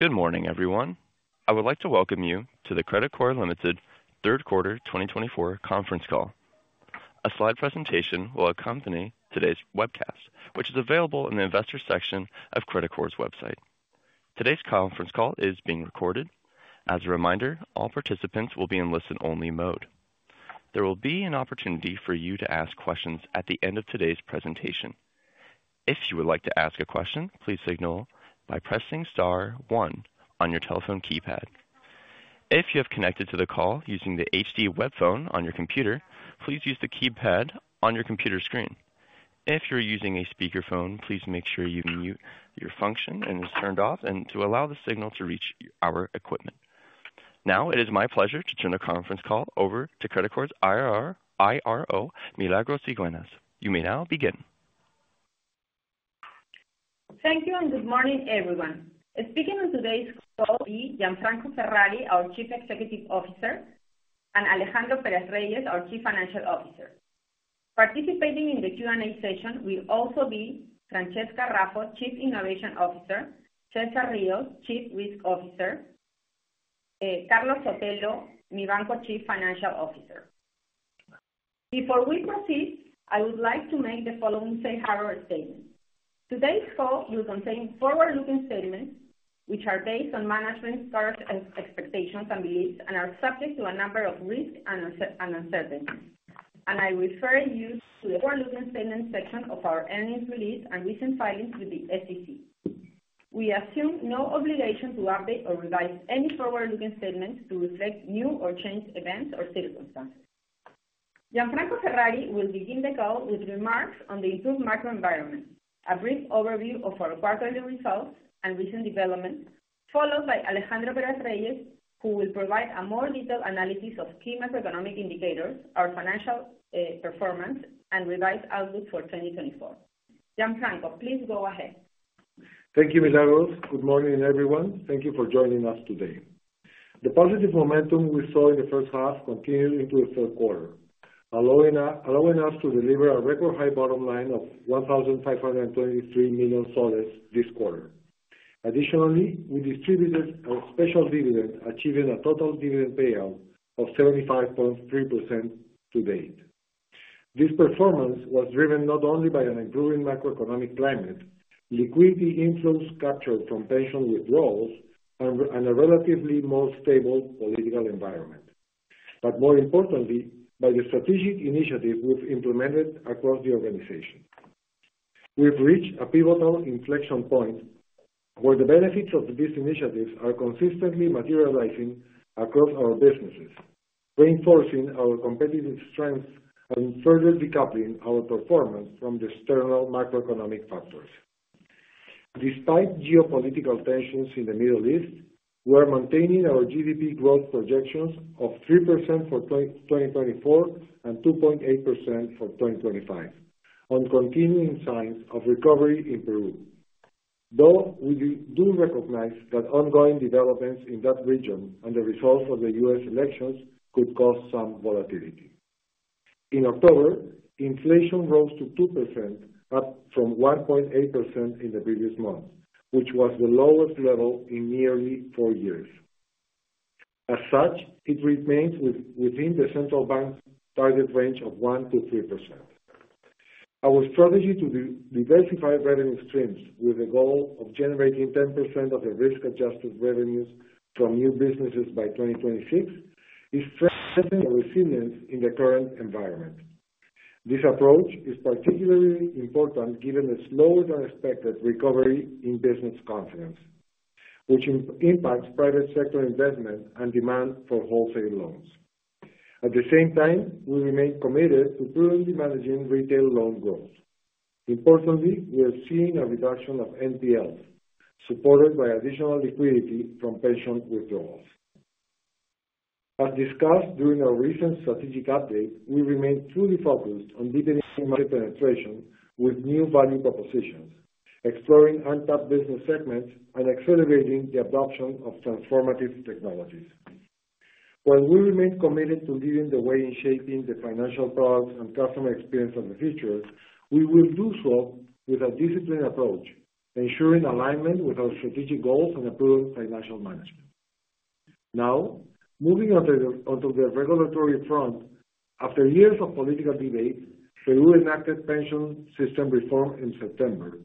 Good morning, everyone. I would like to welcome you to the Credicorp Limited Third Quarter 2024 Conference Call. A slide presentation will accompany today's webcast, which is available in the investor section of Credicorp's website. Today's conference call is being recorded. As a reminder, all participants will be in listen-only mode. There will be an opportunity for you to ask questions at the end of today's presentation. If you would like to ask a question, please signal by pressing star one on your telephone keypad. If you have connected to the call using the HD web phone on your computer, please use the keypad on your computer screen. If you're using a speakerphone, please make sure your mute function is turned off, to allow the signal to reach our equipment. Now, it is my pleasure to turn the conference call over to Credicorp's IRO, Milagros Cigüeñas. You may now begin. Thank you and good morning, everyone. Speaking on today's call will be Gianfranco Ferrari, our Chief Executive Officer, and Alejandro Pérez-Reyes, our Chief Financial Officer. Participating in the Q&A session will also be Francesca Raffo, Chief Innovation Officer; César Ríos, Chief Risk Officer; Carlos Sotelo, Mibanco's Chief Financial Officer. Before we proceed, I would like to make the following safe harbor statement. Today's call will contain forward-looking statements, which are based on management's current expectations and beliefs, and are subject to a number of risks and uncertainties. I refer you to the forward-looking statements section of our earnings release and recent filings with the SEC. We assume no obligation to update or revise any forward-looking statements to reflect new or changed events or circumstances. Gianfranco Ferrari will begin the call with remarks on the improved macro environment, a brief overview of our quarterly results and recent developments, followed by Alejandro Pérez-Reyes, who will provide a more detailed analysis of key macroeconomic indicators, our financial performance, and revised outlook for 2024. Gianfranco, please go ahead. Thank you, Milagros. Good morning, everyone. Thank you for joining us today. The positive momentum we saw in the first half continued into the third quarter, allowing us to deliver a record high bottom line of PEN 1,523 million this quarter. Additionally, we distributed a special dividend, achieving a total dividend payout of 75.3% to date. This performance was driven not only by an improving macroeconomic climate, liquidity inflows captured from pension withdrawals, and a relatively more stable political environment, but more importantly, by the strategic initiatives we've implemented across the organization. We've reached a pivotal inflection point where the benefits of these initiatives are consistently materializing across our businesses, reinforcing our competitive strength and further decoupling our performance from the external macroeconomic factors. Despite geopolitical tensions in the Middle East, we're maintaining our GDP growth projections of 3% for 2024 and 2.8% for 2025, on continuing signs of recovery in Peru, though we do recognize that ongoing developments in that region and the results of the US elections could cause some volatility. In October, inflation rose to 2%, up from 1.8% in the previous month, which was the lowest level in nearly four years. As such, it remains within the central bank's target range of 1%-3%. Our strategy to diversify revenue streams with the goal of generating 10% of the risk-adjusted revenues from new businesses by 2026 is strengthening our resilience in the current environment. This approach is particularly important given the slower-than-expected recovery in business confidence, which impacts private sector investment and demand for wholesale loans. At the same time, we remain committed to prudently managing retail loan growth. Importantly, we are seeing a reduction of NPLs, supported by additional liquidity from pension withdrawals. As discussed during our recent strategic update, we remain truly focused on deepening market penetration with new value propositions, exploring untapped business segments, and accelerating the adoption of transformative technologies. While we remain committed to leading the way in shaping the financial products and customer experience of the future, we will do so with a disciplined approach, ensuring alignment with our strategic goals and improving financial management. Now, moving onto the regulatory front, after years of political debate, Peru enacted pension system reform in September,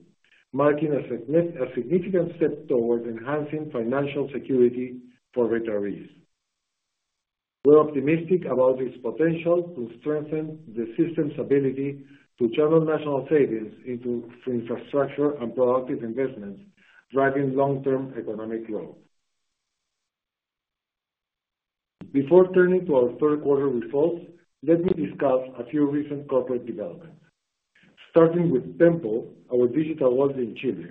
marking a significant step towards enhancing financial security for retirees. We're optimistic about its potential to strengthen the system's ability to channel national savings into infrastructure and productive investments, driving long-term economic growth. Before turning to our third quarter results, let me discuss a few recent corporate developments. Starting with Tenpo, our digital wallet in Chile,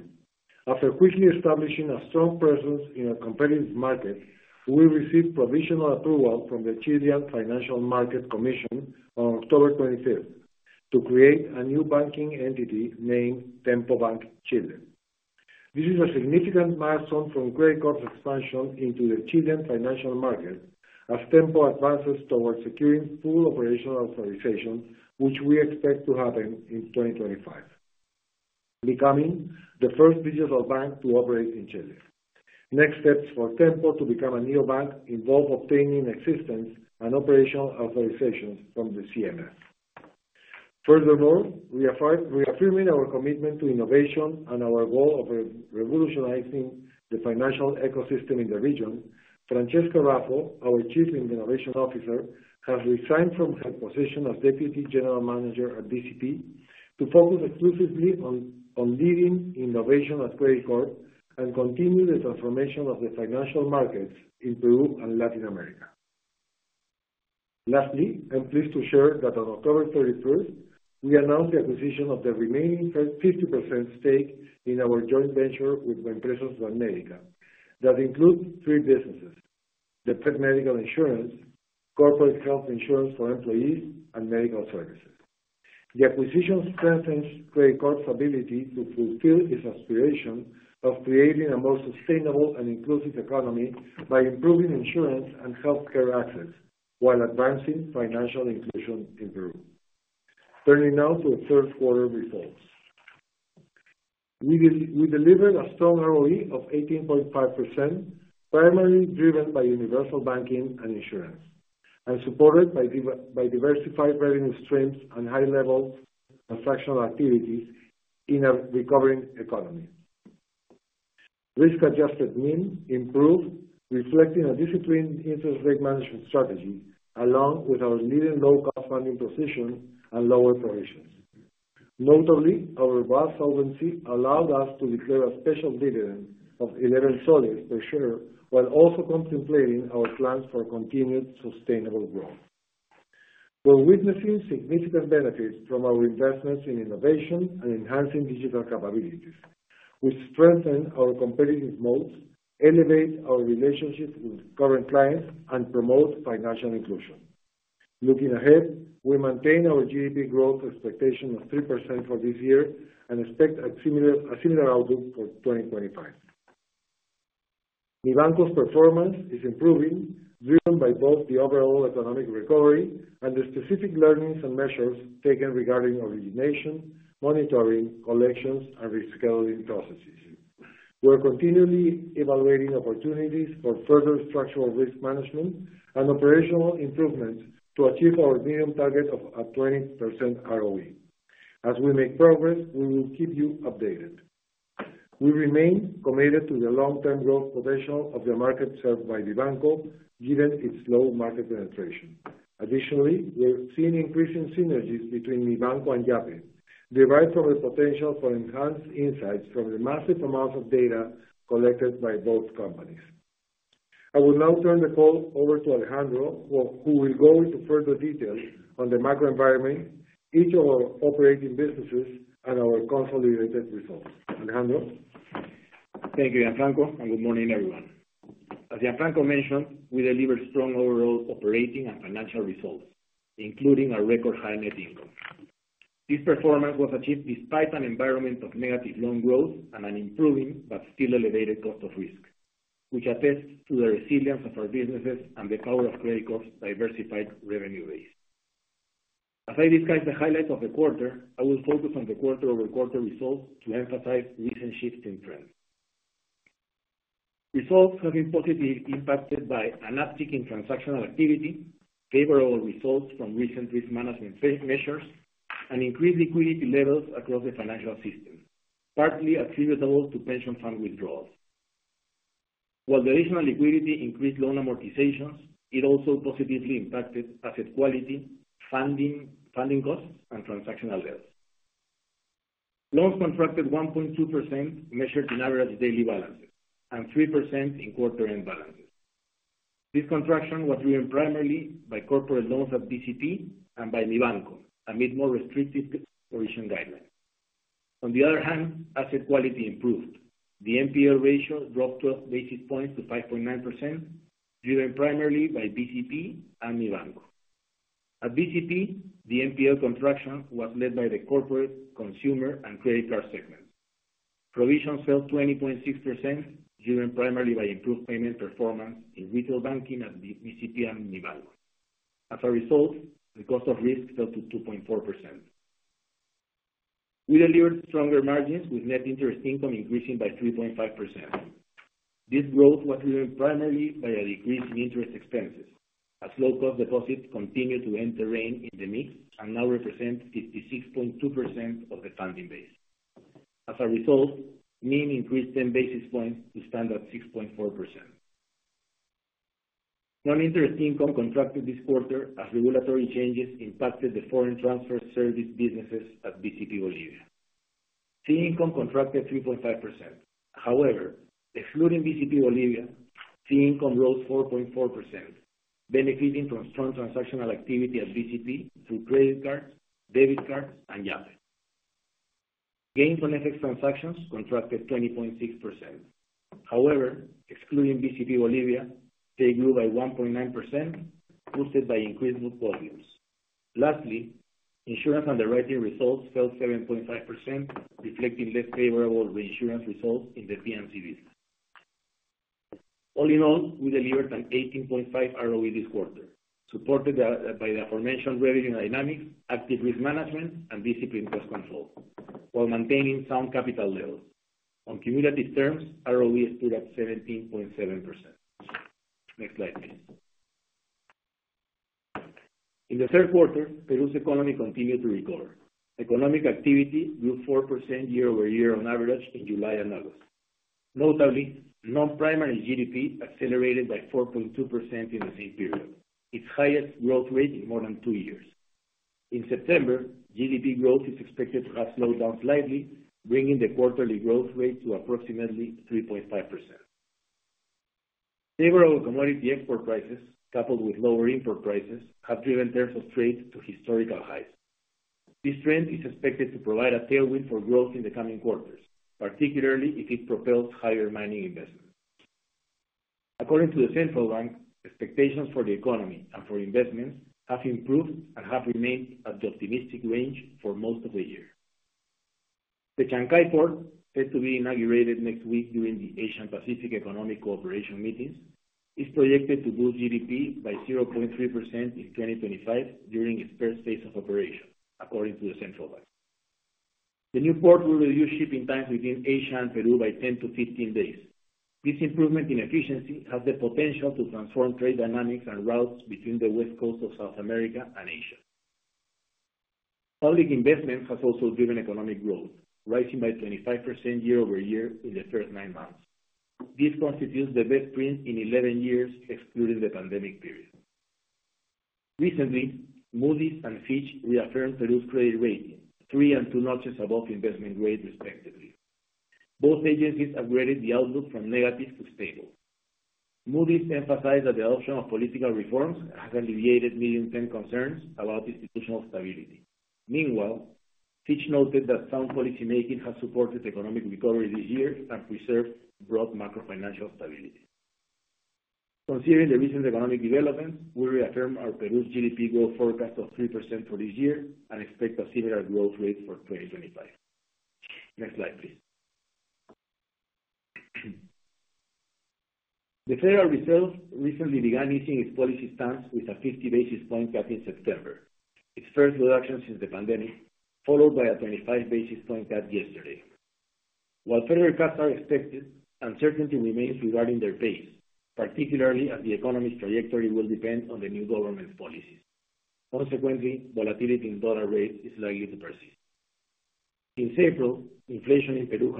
after quickly establishing a strong presence in a competitive market, we received provisional approval from the Chilean Financial Market Commission on October 25th to create a new banking entity named Tenpo Bank Chile. This is a significant milestone from Credicorp's expansion into the Chilean financial market as Tenpo advances towards securing full operational authorization, which we expect to happen in 2025, becoming the first digital bank to operate in Chile. Next steps for Tenpo to become a neobank involve obtaining assistance and operational authorizations from the CMF. Furthermore, reaffirming our commitment to innovation and our goal of revolutionizing the financial ecosystem in the region, Francesca Raffo, our Chief Innovation Officer, has resigned from her position as Deputy General Manager at BCP to focus exclusively on leading innovation at Credicorp and continue the transformation of the financial markets in Peru and Latin America. Lastly, I'm pleased to share that on October 31st, we announced the acquisition of the remaining 50% stake in our joint venture with Empresas Banmédica, that includes three businesses: the pet medical insurance, corporate health insurance for employees, and medical services. The acquisition strengthens Credicorp's ability to fulfill its aspiration of creating a more sustainable and inclusive economy by improving insurance and healthcare access while advancing financial inclusion in Peru. Turning now to the third quarter results, we delivered a strong ROE of 18.5%, primarily driven by universal banking and insurance, and supported by diversified revenue streams and high-level transactional activities in a recovering economy. Risk-adjusted NIM improved, reflecting a disciplined interest rate management strategy, along with our leading low-cost funding position and lower provisions. Notably, our vast solvency allowed us to declare a special dividend of PEN 11 per share, while also contemplating our plans for continued sustainable growth. We're witnessing significant benefits from our investments in innovation and enhancing digital capabilities, which strengthen our competitive moats, elevate our relationships with current clients, and promote financial inclusion. Looking ahead, we maintain our GDP growth expectation of 3% for this year and expect a similar outlook for 2025. Mibanco's performance is improving, driven by both the overall economic recovery and the specific learnings and measures taken regarding origination, monitoring, collections, and rescheduling processes. We're continually evaluating opportunities for further structural risk management and operational improvements to achieve our medium target of 20% ROE. As we make progress, we will keep you updated. We remain committed to the long-term growth potential of the market served by Mibanco, given its slow market penetration. Additionally, we're seeing increasing synergies between Mibanco and Yape, derived from the potential for enhanced insights from the massive amounts of data collected by both companies. I will now turn the call over to Alejandro, who will go into further detail on the macro environment, each of our operating businesses, and our consolidated results. Alejandro. Thank you, Gianfranco, and good morning, everyone. As Gianfranco mentioned, we deliver strong overall operating and financial results, including our record high net income. This performance was achieved despite an environment of negative loan growth and an improving but still elevated cost of risk, which attests to the resilience of our businesses and the power of Credicorp's diversified revenue base. As I discuss the highlights of the quarter, I will focus on the quarter-over-quarter results to emphasize recent shifts in trends. Results have been positively impacted by an uptick in transactional activity, favorable results from recent risk management measures, and increased liquidity levels across the financial system, partly attributable to pension fund withdrawals. While the additional liquidity increased loan amortizations, it also positively impacted asset quality, funding costs, and transactional levels. Loans contracted 1.2% measured in average daily balances and 3% in quarter-end balances. This contraction was driven primarily by corporate loans at BCP and by Mibanco, amid more restrictive provision guidelines. On the other hand, asset quality improved. The NPL ratio dropped 12 basis points to 5.9%, driven primarily by BCP and Mibanco. At BCP, the NPL contraction was led by the corporate, consumer, and Credicorp segments. Provisions fell 20.6%, driven primarily by improved payment performance in retail banking at BCP and Mibanco. As a result, the cost of risk fell to 2.4%. We delivered stronger margins, with net interest income increasing by 3.5%. This growth was driven primarily by a decrease in interest expenses, as low-cost deposits continue to enter in the mix and now represent 56.2% of the funding base. As a result, NIM increased 10 basis points to stand at 6.4%. Non-interest income contracted this quarter as regulatory changes impacted the foreign transfer service businesses at BCP Bolivia. Fee income contracted 3.5%. However, excluding BCP Bolivia, fee income rose 4.4%, benefiting from strong transactional activity at BCP through credit cards, debit cards and Yape. Gain on FXtransactions contracted 20.6%. However, excluding BCP Bolivia, they grew by 1.9%, boosted by increased book volumes. Lastly, insurance underwriting results fell 7.5%, reflecting less favorable reinsurance results in the P&C business. All in all, we delivered an 18.5% ROE this quarter, supported by the aforementioned revenue dynamics, active risk management, and disciplined cost control, while maintaining sound capital levels. On cumulative terms, ROE stood at 17.7%. Next slide, please. In the third quarter, Peru's economy continued to recover. Economic activity grew 4% year-over-year on average in July and August. Notably, non-primary GDP accelerated by 4.2% in the same period, its highest growth rate in more than two years. In September, GDP growth is expected to have slowed down slightly, bringing the quarterly growth rate to approximately 3.5%. Favorable commodity export prices, coupled with lower import prices, have driven terms of trade to historical highs. This trend is expected to provide a tailwind for growth in the coming quarters, particularly if it propels higher mining investments. According to the central bank, expectations for the economy and for investments have improved and have remained at the optimistic range for most of the year. The Chancay Port, set to be inaugurated next week during the Asia-Pacific Economic Cooperation meetings, is projected to boost GDP by 0.3% in 2025 during its first phase of operation, according to the central bank. The new port will reduce shipping times within Asia and Peru by 10-15 days. This improvement in efficiency has the potential to transform trade dynamics and routes between the West Coast of South America and Asia. Public investment has also driven economic growth, rising by 25% year-over-year in the first nine months. This constitutes the best print in 11 years, excluding the pandemic period. Recently, Moody's and Fitch reaffirmed Peru's credit rating, three and two notches above investment grade, respectively. Both agencies upgraded the outlook from negative to stable. Moody's emphasized that the adoption of political reforms has alleviated medium-term concerns about institutional stability. Meanwhile, Fitch noted that sound policymaking has supported economic recovery this year and preserved broad macro-financial stability. Considering the recent economic developments, we reaffirm our Peru's GDP growth forecast of 3% for this year and expect a similar growth rate for 2025. Next slide, please. The Federal Reserve recently began easing its policy stance with a 50 basis point cut in September, its first reduction since the pandemic, followed by a 25 basis point cut yesterday. While further cuts are expected, uncertainty remains regarding their pace, particularly as the economy's trajectory will depend on the new government's policies. Consequently, volatility in dollar rates is likely to persist. Since April, inflation in Peru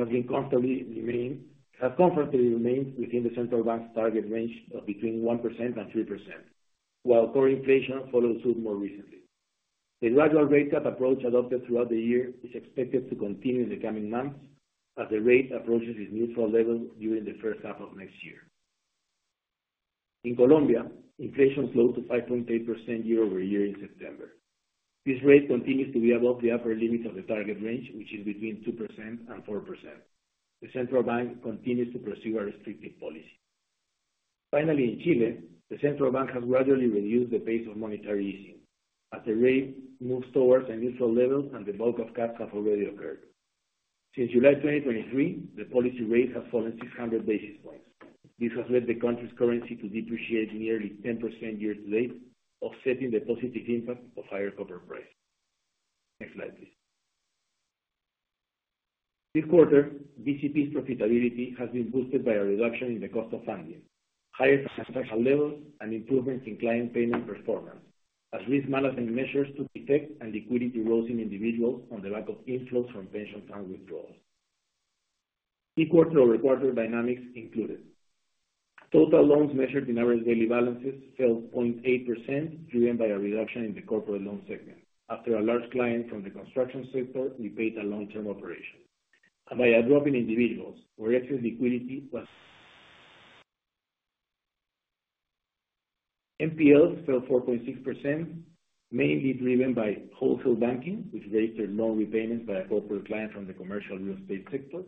has comfortably remained within the central bank's target range of between 1% and 3%, while core inflation followed suit more recently. The gradual rate cut approach adopted throughout the year is expected to continue in the coming months as the rate approaches its neutral level during the first half of next year. In Colombia, inflation slowed to 5.8% year-over-year in September. This rate continues to be above the upper limit of the target range, which is between 2% and 4%. The central bank continues to pursue a restrictive policy. Finally, in Chile, the central bank has gradually reduced the pace of monetary easing as the rate moves towards a neutral level and the bulk of cuts have already occurred. Since July 2023, the policy rate has fallen 600 basis points. This has led the country's currency to depreciate nearly 10% year-to-date, offsetting the positive impact of higher copper prices. Next slide, please. This quarter, BCP's profitability has been boosted by a reduction in the cost of funding, higher transactional levels, and improvements in client payment performance, as risk management measures took effect and liquidity rose in individuals on the back of inflows from pension fund withdrawals. Key quarter-over-quarter dynamics included: total loans measured in average daily balances fell 0.8%, driven by a reduction in the corporate loan segment after a large client from the construction sector repaid a long-term operation, and by a drop in individuals, where excess liquidity was. NPLs fell 4.6%, mainly driven by wholesale banking, which raised their loan repayments by a corporate client from the commercial real estate sector,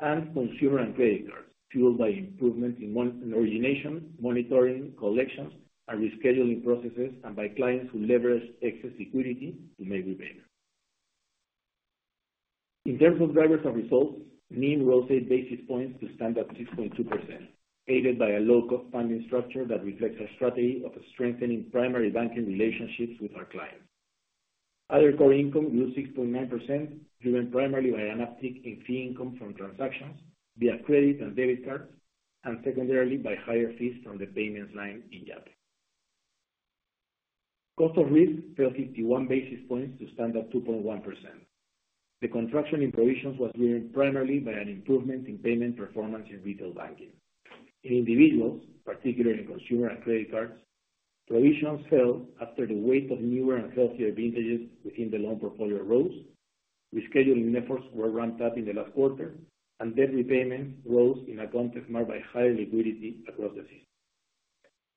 and consumer and Credicorp's, fueled by improvements in origination, monitoring, collections, and rescheduling processes, and by clients who leveraged excess liquidity to make repayments. In terms of drivers of results, NIM rose 8 basis points to stand at 6.2%, aided by a low-cost funding structure that reflects our strategy of strengthening primary banking relationships with our clients. Other core income grew 6.9%, driven primarily by an uptick in fee income from transactions via credit and debit cards, and secondarily by higher fees from the payments line in Yape. Cost of risk fell 51 basis points to stand at 2.1%. The contraction in provisions was driven primarily by an improvement in payment performance in retail banking. In individuals, particularly in consumer and Credicorp's, provisions fell after the weight of newer and healthier vintages within the loan portfolio rose, rescheduling efforts were ramped up in the last quarter, and debt repayments rose in a context marked by higher liquidity across the system.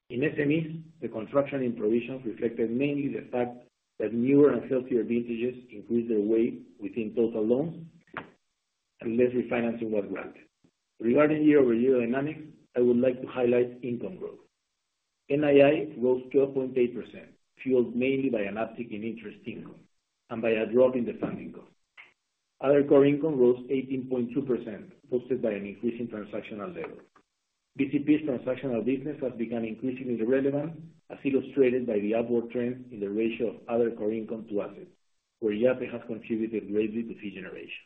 In SMEs, the contraction in provisions reflected mainly the fact that newer and healthier vintages increased their weight within total loans and less refinancing was granted. Regarding year-over-year dynamics, I would like to highlight income growth. NII rose 12.8%, fueled mainly by an uptick in interest income and by a drop in the funding cost. Other core income rose 18.2%, boosted by an increase in transactional levels. BCP's transactional business has become increasingly relevant, as illustrated by the upward trend in the ratio of other core income to assets, where Yape has contributed greatly to fee generation.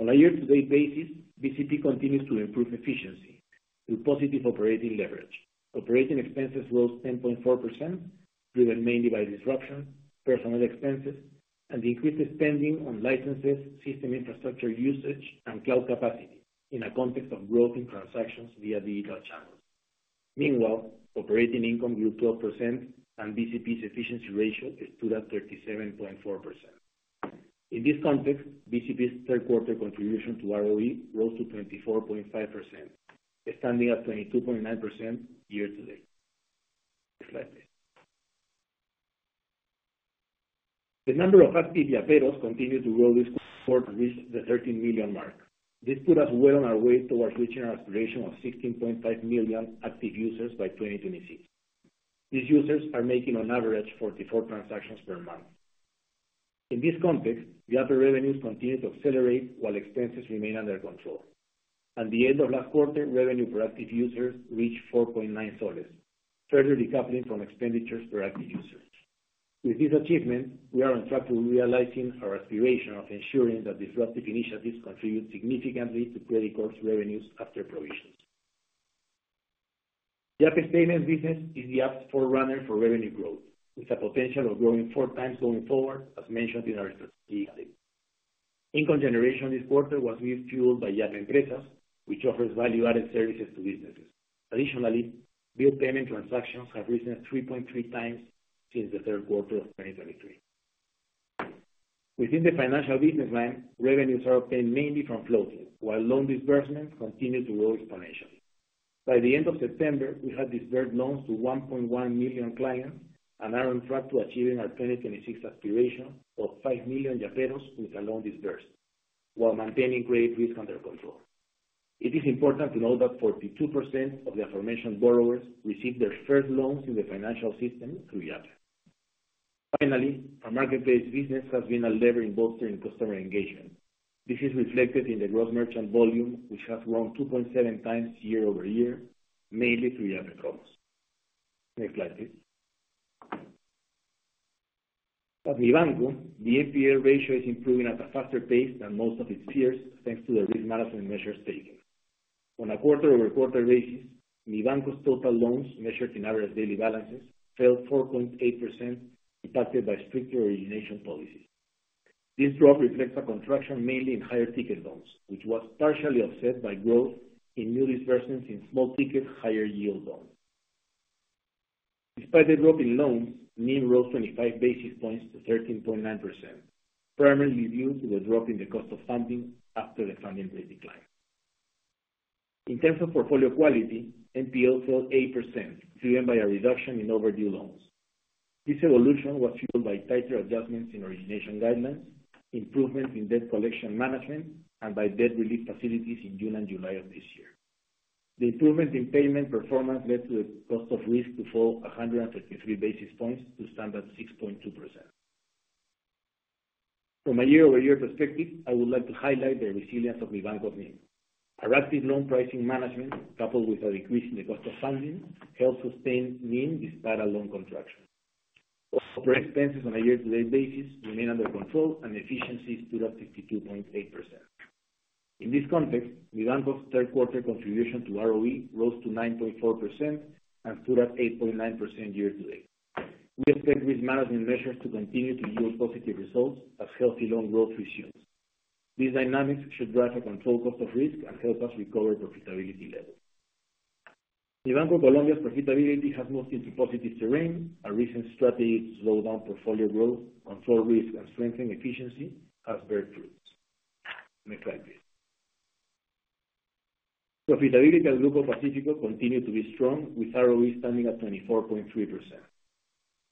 On a year-to-date basis, BCP continues to improve efficiency through positive operating leverage. Operating expenses rose 10.4%, driven mainly by disruptions, personnel expenses, and increased spending on licenses, system infrastructure usage, and cloud capacity in a context of growth in transactions via digital channels. Meanwhile, operating income grew 12%, and BCP's efficiency ratio stood at 37.4%. In this context, BCP's third-quarter contribution to ROE rose to 24.5%, standing at 22.9% year-to-date. Next slide, please. The number of active Yaperos continued to grow this quarter and reached the 13 million mark. This put us well on our way towards reaching our aspiration of 16.5 million active users by 2026. These users are making, on average, 44 transactions per month. In this context, Yape revenues continue to accelerate while expenses remain under control. At the end of last quarter, revenue per active users reached PEN 4.9, further decoupling from expenditures per active user. With this achievement, we are on track to realizing our aspiration of ensuring that disruptive initiatives contribute significantly to Credicorp's revenues after provisions. Yape's payment business is the apt forerunner for revenue growth, with a potential of growing four times going forward, as mentioned in our strategic statement. Income generation this quarter was fueled by Yape Empresas, which offers value-added services to businesses. Additionally, bill payment transactions have risen 3.3x since the third quarter of 2023. Within the financial business line, revenues are obtained mainly from float, while loan disbursements continue to grow exponentially. By the end of September, we had disbursed loans to 1.1 million clients and are on track to achieving our 2026 aspiration of 5 million Yaperos with a loan disbursed, while maintaining credit risk under control. It is important to note that 42% of the aforementioned borrowers received their first loans in the financial system through Yape. Finally, our marketplace business has been a lever in bolstering customer engagement. This is reflected in the gross merchant volume, which has grown 2.7x year-over-year, mainly through Yape Promos. Next slide, please. At Mibanco, the NPL ratio is improving at a faster pace than most of its peers, thanks to the risk management measures taken. On a quarter-over-quarter basis, Mibanco's total loans measured in average daily balances fell 4.8%, impacted by stricter origination policies. This drop reflects a contraction mainly in higher ticket loans, which was partially offset by growth in new disbursements in small ticket, higher yield loans. Despite the drop in loans, NIM rose 25 basis points to 13.9%, primarily due to the drop in the cost of funding after the funding rate decline. In terms of portfolio quality, NPL fell 8%, driven by a reduction in overdue loans. This evolution was fueled by tighter adjustments in origination guidelines, improvements in debt collection management, and by debt relief facilities in June and July of this year. The improvement in payment performance led to the cost of risk to fall 133 basis points to stand at 6.2%. From a year-over-year perspective, I would like to highlight the resilience of Mibanco's NIM. Our active loan pricing management, coupled with a decrease in the cost of funding, helped sustain NIM despite a loan contraction. Corporate expenses on a year-to-date basis remain under control, and efficiency stood at 52.8%. In this context, Mibanco's third-quarter contribution to ROE rose to 9.4% and stood at 8.9% year-to-date. We expect risk management measures to continue to yield positive results as healthy loan growth resumes. These dynamics should drive a controlled cost of risk and help us recover profitability levels. Mibanco Colombia's profitability has moved into positive terrain. Our recent strategy to slow down portfolio growth, control risk, and strengthen efficiency has borne fruit. Next slide, please. Profitability at Grupo Pacífico continued to be strong, with ROE standing at 24.3%.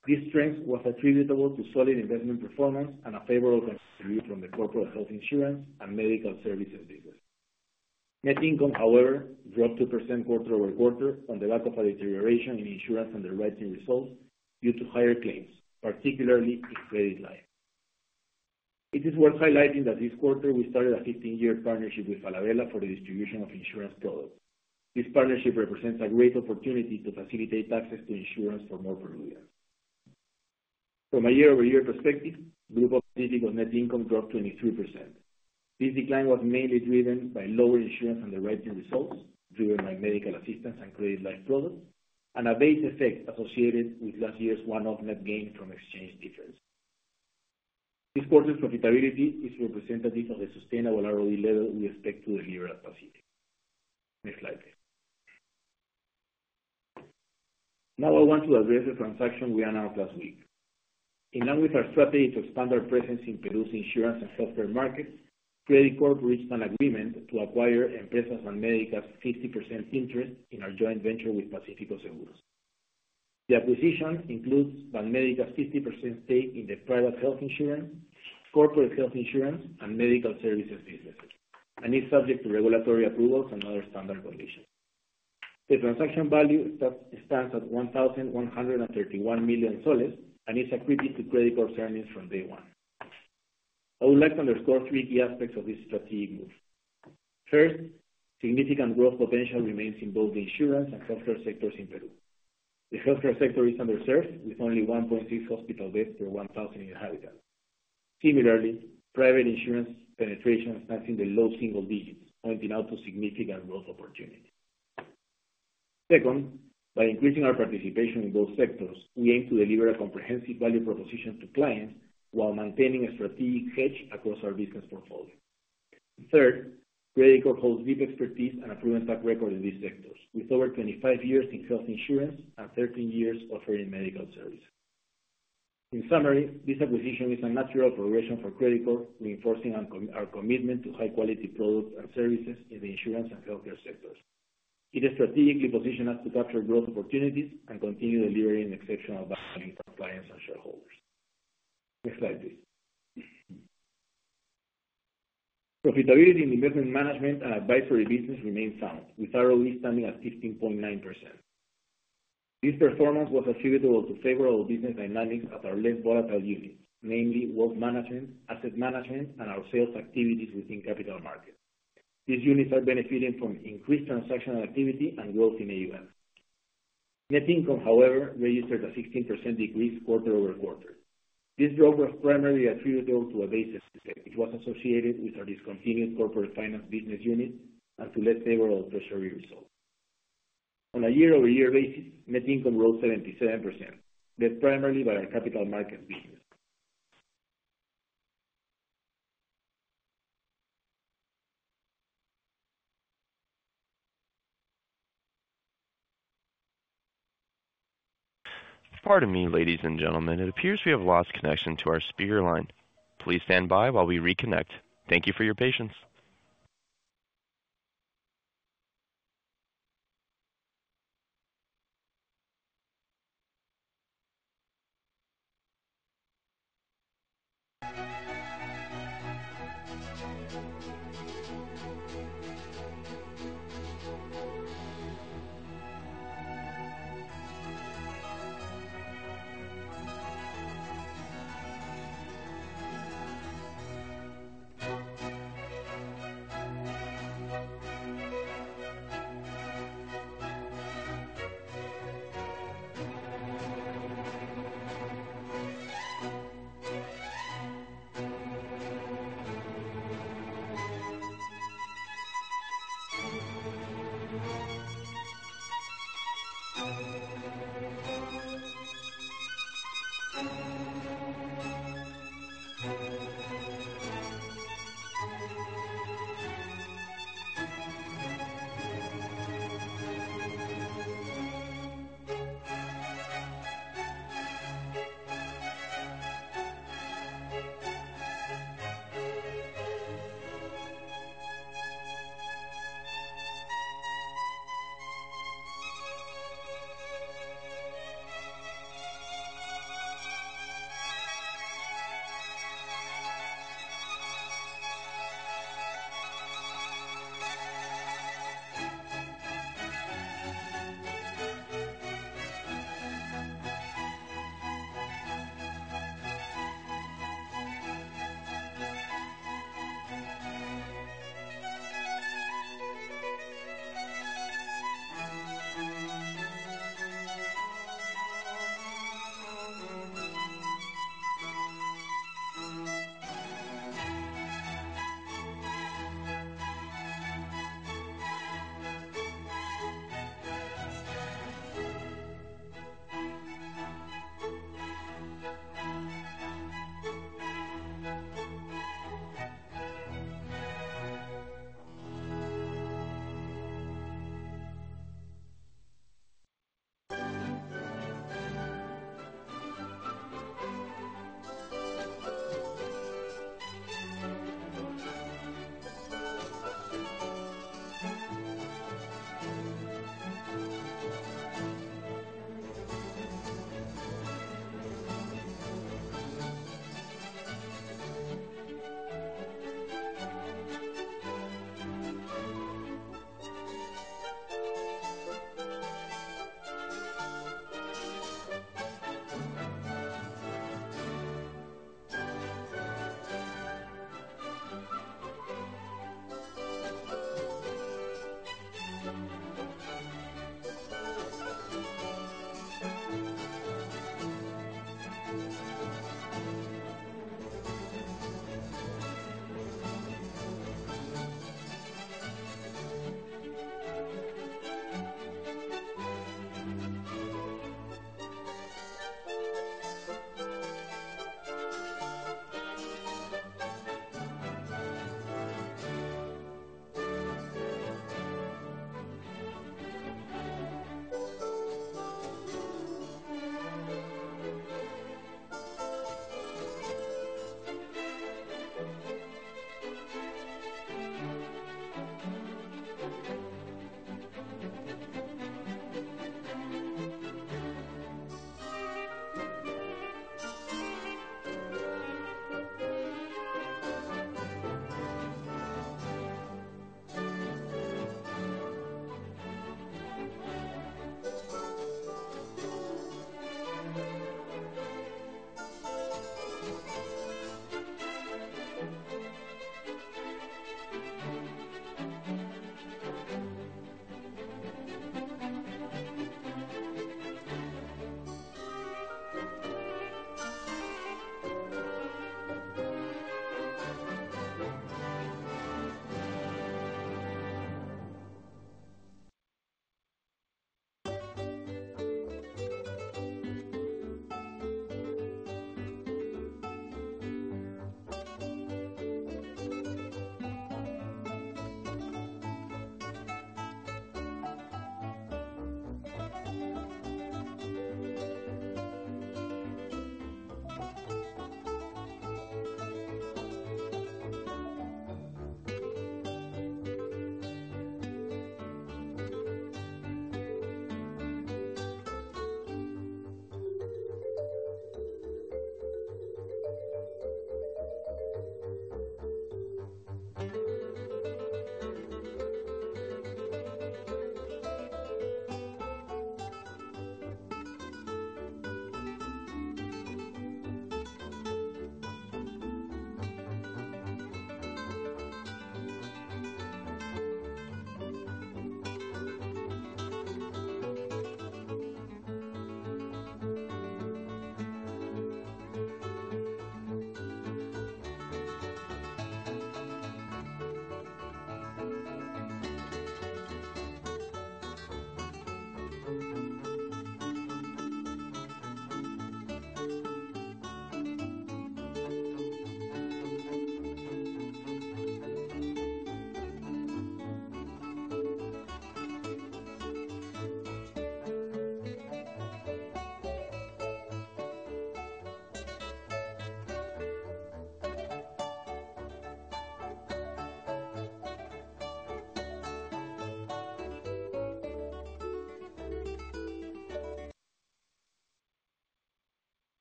This strength was attributable to solid investment performance and a favorable contribution from the corporate health insurance and medical services business. Net income, however, dropped 2% quarter-over-quarter on the back of a deterioration in insurance underwriting results due to higher claims, particularly in credit lines. It is worth highlighting that this quarter we started a 15-year partnership with Falabella for the distribution of insurance products. This partnership represents a great opportunity to facilitate access to insurance for more Peruvians. From a year-over-year perspective, Grupo Pacífico's net income dropped 23%. This decline was mainly driven by lower insurance underwriting results, driven by medical assistance and credit line products, and a base effect associated with last year's one-off net gain from exchange difference. This quarter's profitability is representative of the sustainable ROE level we expect to deliver at Pacific. Next slide, please. Now I want to address the transaction we announced last week. In line with our strategy to expand our presence in Peru's insurance and software markets, Credicorp reached an agreement to acquire Empresas Banmédica's 50% interest in our joint venture with Pacífico Seguros. The acquisition includes Banmédica's 50% stake in the private health insurance, corporate health insurance, and medical services businesses, and is subject to regulatory approvals and other standard conditions. The transaction value stands at PEN 1,131 million and is accretive to Credicorp's earnings from day one. I would like to underscore three key aspects of this strategic move. First, significant growth potential remains in both the insurance and software sectors in Peru. The healthcare sector is underserved, with only 1.6 hospital beds per 1,000 inhabitants. Similarly, private insurance penetration stands in the low single digits, pointing to significant growth opportunities. Second, by increasing our participation in both sectors, we aim to deliver a comprehensive value proposition to clients while maintaining a strategic hedge across our business portfolio. Third, Credicorp holds deep expertise and a proven track record in these sectors, with over 25 years in health insurance and 13 years offering medical services. In summary, this acquisition is a natural progression for Credicorp, reinforcing our commitment to high-quality products and services in the insurance and healthcare sectors. It is strategically positioned us to capture growth opportunities and continue delivering exceptional value for clients and shareholders. Next slide, please. Profitability in investment management and advisory business remains sound, with ROE standing at 15.9%. This performance was attributable to favorable business dynamics at our less volatile units, namely wealth management, asset management, and our sales activities within capital markets. These units are benefiting from increased transactional activity and growth in AUM. Net income, however, registered a 16% decrease quarter-over-quarter. This drop was primarily attributable to a basis effect which was associated with our discontinued corporate finance business unit and to less favorable treasury results. On a year-over-year basis, net income rose 77%, led primarily by our capital markets business. Pardon me, ladies and gentlemen. It appears we have lost connection to our speaker line. Please stand by while we reconnect. Thank you for your patience.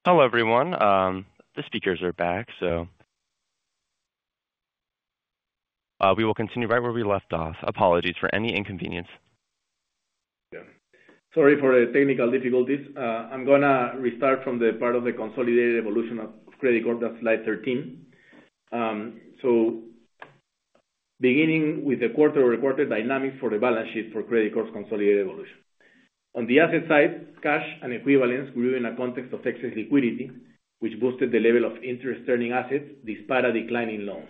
Hello everyone. The speakers are back, so. We will continue right where we left off. Apologies for any inconvenience. Sorry for the technical difficulties. I'm going to restart from the part of the consolidated evolution of Credicorp, that's slide 13. So, beginning with the quarter-over-quarter dynamics for the balance sheet for Credicorp's consolidated evolution. On the asset side, cash and equivalents grew in a context of excess liquidity, which boosted the level of interest-earning assets despite declining loans.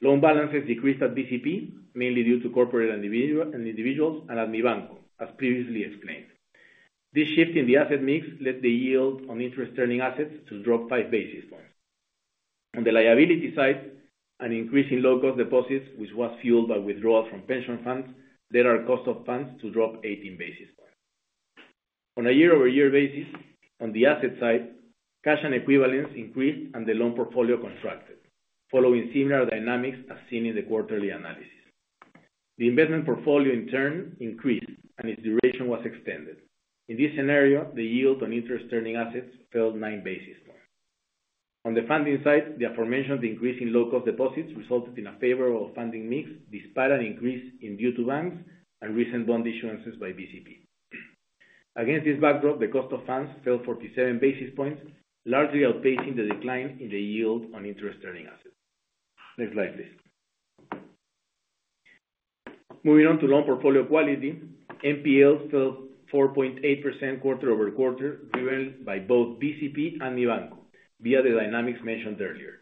Loan balances decreased at BCP, mainly due to corporates and individuals and at Mibanco, as previously explained. This shift in the asset mix led the yield on interest-earning assets to drop 5 basis points. On the liability side, an increase in low-cost deposits, which was fueled by withdrawals from pension funds, led our cost of funds to drop 18 basis points. On a year-over-year basis, on the asset side, cash and equivalents increased and the loan portfolio contracted, following similar dynamics as seen in the quarterly analysis. The investment portfolio, in turn, increased and its duration was extended. In this scenario, the yield on interest-earning assets fell 9 basis points. On the funding side, the aforementioned increase in low-cost deposits resulted in a favorable funding mix despite an increase in due to bonds and recent bond issuances by BCP. Against this backdrop, the cost of funds fell 47 basis points, largely outpacing the decline in the yield on interest-earning assets. Next slide, please. Moving on to loan portfolio quality, NPL fell 4.8% quarter-over-quarter, driven by both BCP and Mibanco, via the dynamics mentioned earlier.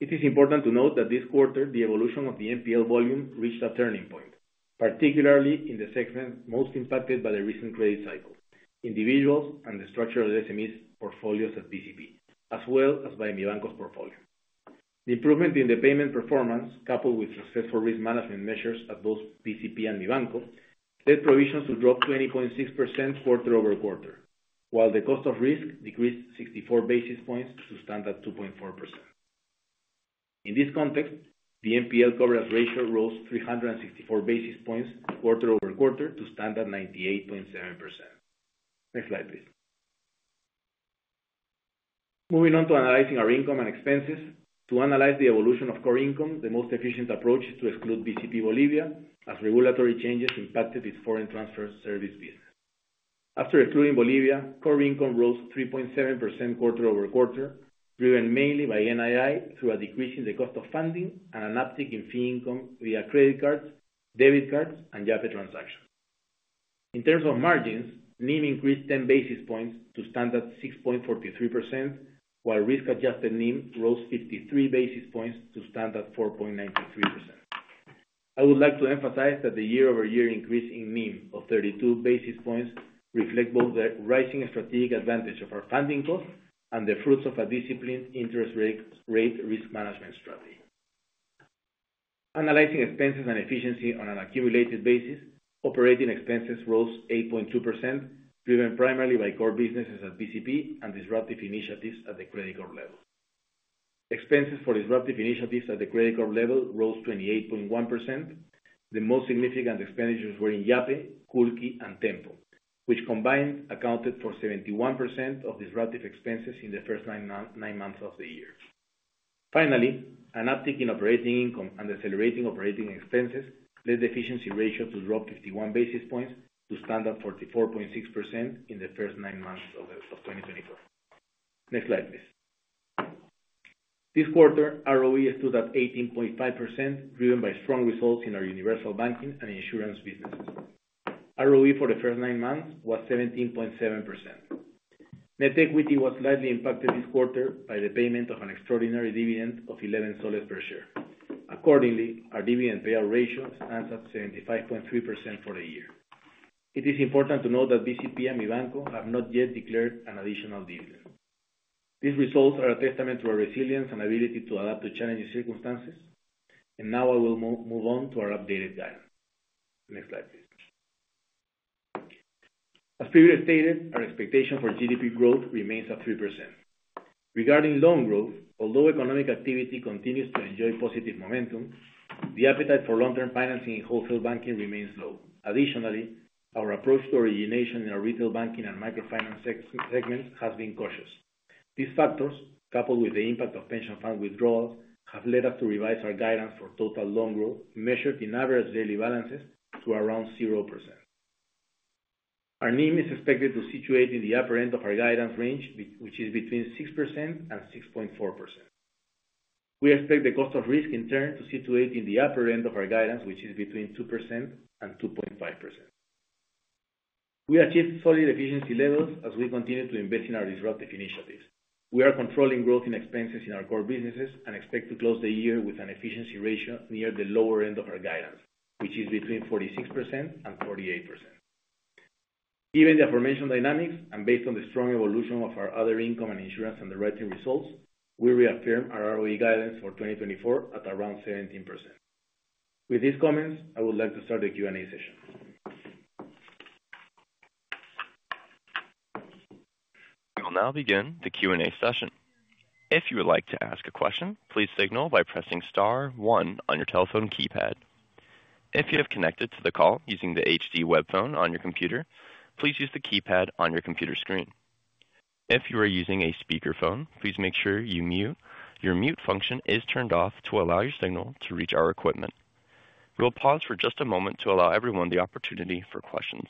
It is important to note that this quarter, the evolution of the NPL volume reached a turning point, particularly in the segments most impacted by the recent credit cycle: individuals and the structural SMEs' portfolios at BCP, as well as by Mibanco's portfolio. The improvement in the payment performance, coupled with successful risk management measures at both BCP and Mibanco, led provisions to drop 20.6% quarter-over-quarter, while the cost of risk decreased 64 basis points to stand at 2.4%. In this context, the NPL coverage ratio rose 364 basis points quarter-over-quarter to stand at 98.7%. Next slide, please. Moving on to analyzing our income and expenses. To analyze the evolution of core income, the most efficient approach is to exclude BCP Bolivia, as regulatory changes impacted its foreign transfer service business. After excluding Bolivia, core income rose 3.7% quarter-over-quarter, driven mainly by NII through a decrease in the cost of funding and an uptick in fee income via credit cards, debit cards, and Yape transactions. In terms of margins, NIM increased 10 basis points to stand at 6.43%, while risk-adjusted NIM rose 53 basis points to stand at 4.93%. I would like to emphasize that the year-over-year increase in NIM of 32 basis points reflects both the rising strategic advantage of our funding costs and the fruits of a disciplined interest rate risk management strategy. Analyzing expenses and efficiency on an accumulated basis, operating expenses rose 8.2%, driven primarily by core businesses at BCP and disruptive initiatives at the Credicorp level. Expenses for disruptive initiatives at the Credicorp level rose 28.1%. The most significant expenditures were in Yape, Culqi, and Tenpo, which combined accounted for 71% of disruptive expenses in the first nine months of the year. Finally, an uptick in operating income and accelerating operating expenses led the efficiency ratio to drop 51 basis points to stand at 44.6% in the first nine months of 2024. Next slide, please. This quarter, ROE stood at 18.5%, driven by strong results in our universal banking and insurance businesses. ROE for the first nine months was 17.7%. Net equity was slightly impacted this quarter by the payment of an extraordinary dividend of PEN 11 per share. Accordingly, our dividend payout ratio stands at 75.3% for the year. It is important to note that BCP and Mibanco have not yet declared an additional dividend. These results are a testament to our resilience and ability to adapt to challenging circumstances. And now I will move on to our updated guidance. Next slide, please. As previously stated, our expectation for GDP growth remains at 3%. Regarding loan growth, although economic activity continues to enjoy positive momentum, the appetite for long-term financing in wholesale banking remains low. Additionally, our approach to origination in our retail banking and microfinance segments has been cautious. These factors, coupled with the impact of pension fund withdrawals, have led us to revise our guidance for total loan growth, measured in average daily balances to around 0%. Our NIM is expected to situate in the upper end of our guidance range, which is between 6% and 6.4%. We expect the cost of risk, in turn, to situate in the upper end of our guidance, which is between 2% and 2.5%. We achieved solid efficiency levels as we continue to invest in our disruptive initiatives. We are controlling growth in expenses in our core businesses and expect to close the year with an efficiency ratio near the lower end of our guidance, which is between 46% and 48%. Given the aforementioned dynamics and based on the strong evolution of our other income and insurance underwriting results, we reaffirm our ROE guidance for 2024 at around 17%. With these comments, I would like to start the Q&A session. We will now begin the Q&A session. If you would like to ask a question, please signal by pressing star one on your telephone keypad. If you have connected to the call using the HD web phone on your computer, please use the keypad on your computer screen. If you are using a speakerphone, please make sure you mute. Your mute function is turned off to allow your signal to reach our equipment. We will pause for just a moment to allow everyone the opportunity for questions.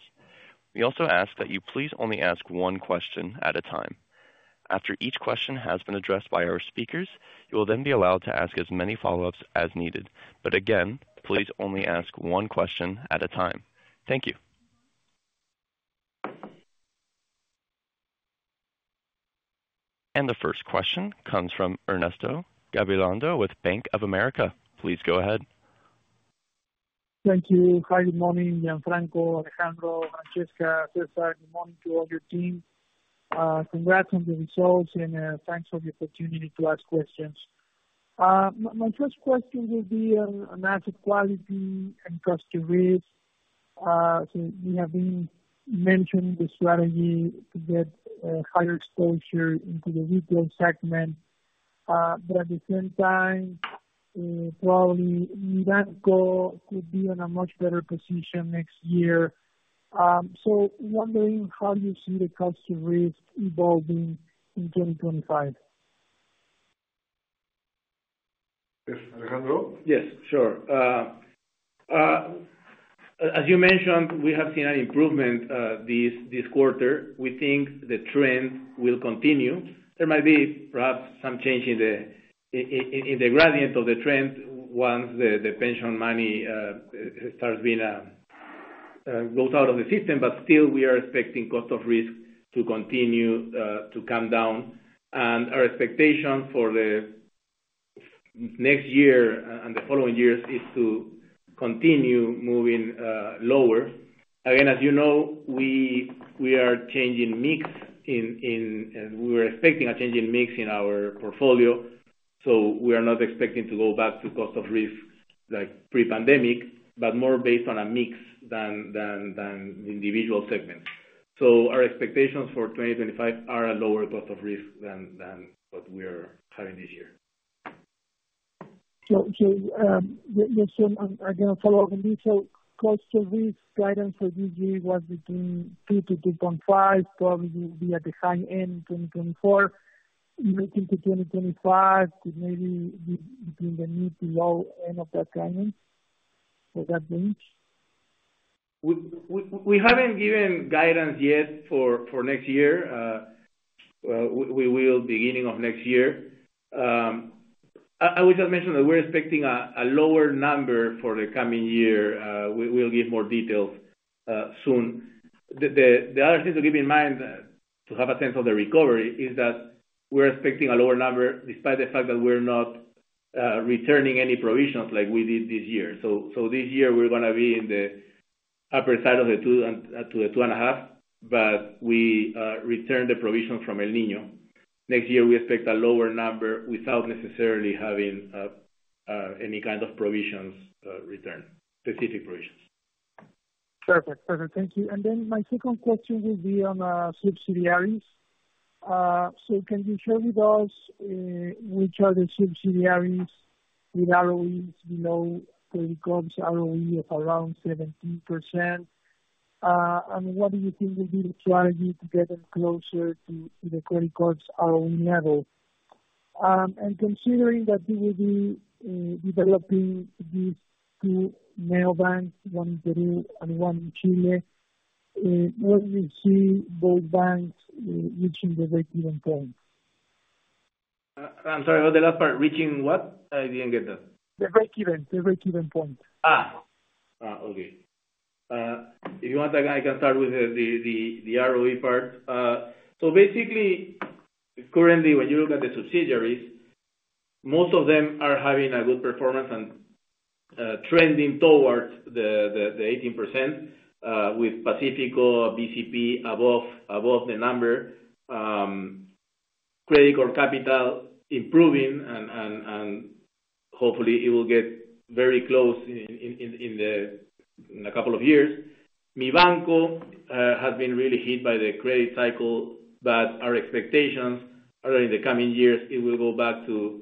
We also ask that you please only ask one question at a time. After each question has been addressed by our speakers, you will then be allowed to ask as many follow-ups as needed. But again, please only ask one question at a time. Thank you. And the first question comes from Ernesto Gabilondo with Bank of America. Please go ahead. Thank you. Hi, good morning, Gianfranco, Alejandro, Francesca, César. Good morning to all your team. Congrats on the results and thanks for the opportunity to ask questions. My first question will be on asset quality and cost of risk. We have been mentioning the strategy to get higher exposure into the retail segment. But at the same time, probably Mibanco could be in a much better position next year, so wondering how you see the cost of risk evolving in 2025. Yes, Alejandro? Yes, sure. As you mentioned, we have seen an improvement this quarter. We think the trend will continue. There might be perhaps some change in the gradient of the trend once the pension money starts being rolled out of the system. But still, we are expecting cost of risk to continue to come down. And our expectation for the next year and the following years is to continue moving lower. Again, as you know, we are changing mix in we were expecting a changing mix in our portfolio. We are not expecting to go back to cost of risk like pre-pandemic, but more based on a mix than individual segments. Our expectations for 2025 are a lower cost of risk than what we are having this year. Just again, a follow-up on detail. Cost of risk guidance for this year was between 2%-2.5%, probably will be at the high end in 2024. Looking to 2025, maybe we'll be in the mid to low end of that guidance for that range. We haven't given guidance yet for next year. We will beginning of next year. I would just mention that we're expecting a lower number for the coming year. We'll give more details soon. The other thing to keep in mind to have a sense of the recovery is that we're expecting a lower number despite the fact that we're not returning any provisions like we did this year. So this year, we're going to be in the upper side of the two and a half, but we returned the provision from El Niño. Next year, we expect a lower number without necessarily having any kind of provisions return, specific provisions. Perfect. Perfect. Thank you. And then my second question will be on subsidiaries. So can you share with us which are the subsidiaries with ROEs below Credicorp's ROE of around 17%? And what do you think will be the strategy to get them closer to the Credicorp's ROE level? Considering that you will be developing these two mobile banks, one in Peru and one in Chile, where do you see both banks reaching the break-even point? I'm sorry. What's the last part? Reaching what? I didn't get that. The break-even. The break-even point. Okay. If you want, I can start with the ROE part. So basically, currently, when you look at the subsidiaries, most of them are having a good performance and trending towards the 18%, with Pacífico BCP above the number. Credicorp Capital improving, and hopefully, it will get very close in a couple of years. Mibanco has been really hit by the credit cycle, but our expectations are that in the coming years, it will go back to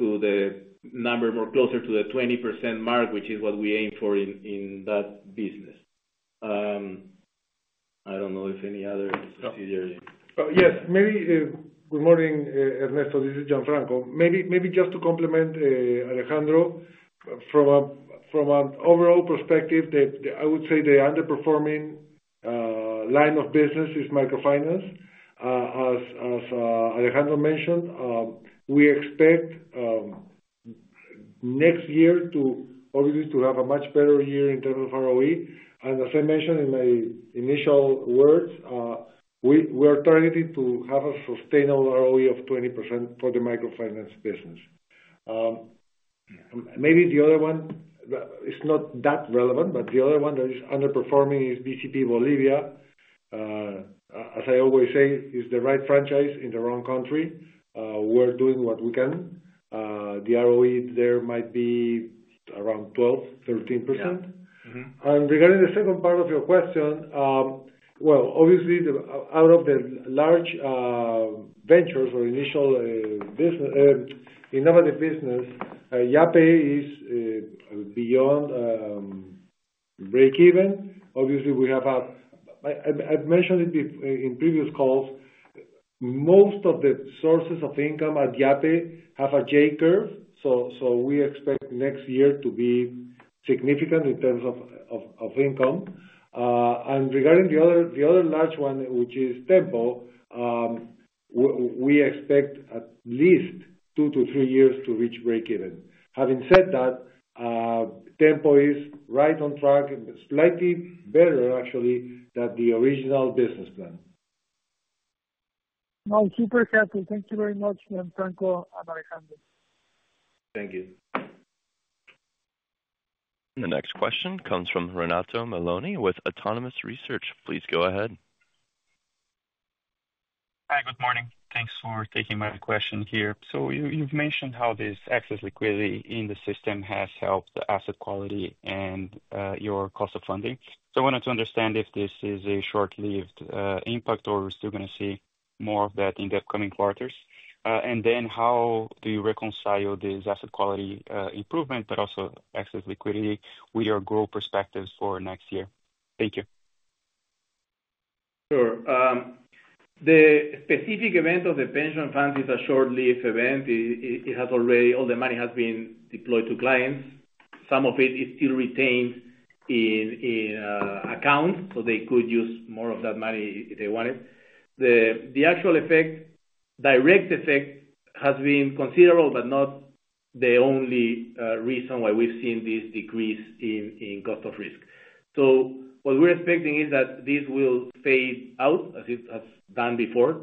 the number more closer to the 20% mark, which is what we aim for in that business. I don't know if any other subsidiaries. Yes. Good morning, Ernesto. This is Gianfranco. Maybe just to complement Alejandro, from an overall perspective, I would say the underperforming line of business is microfinance. As Alejandro mentioned, we expect next year to, obviously, have a much better year in terms of ROE. As I mentioned in my initial words, we are targeting to have a sustainable ROE of 20% for the microfinance business. Maybe the other one is not that relevant, but the other one that is underperforming is BCP Bolivia. As I always say, it's the right franchise in the wrong country. We're doing what we can. The ROE there might be around 12%-13%. Regarding the second part of your question, well, obviously, out of the large ventures or initial innovative business, Yape is beyond break-even. Obviously, we have. I've mentioned it in previous calls. Most of the sources of income at Yape have a J-curve. So we expect next year to be significant in terms of income. And regarding the other large one, which is Tenpo, we expect at least two to three years to reach break-even. Having said that, Tenpo is right on track, slightly better, actually, than the original business plan. No, super helpful. Thank you very much, Gianfranco and Alejandro. Thank you. The next question comes from Renato Meloni with Autonomous Research. Please go ahead. Hi, good morning. Thanks for taking my question here. So you've mentioned how this excess liquidity in the system has helped the asset quality and your cost of funding. So I wanted to understand if this is a short-lived impact or we're still going to see more of that in the upcoming quarters. And then how do you reconcile this asset quality improvement, but also excess liquidity, with your growth perspectives for next year? Thank you. Sure. The specific event of the pension fund is a short-lived event. All the money has been deployed to clients. Some of it is still retained in accounts, so they could use more of that money if they wanted. The actual direct effect has been considerable, but not the only reason why we've seen this decrease in cost of risk. So what we're expecting is that this will fade out, as it has done before.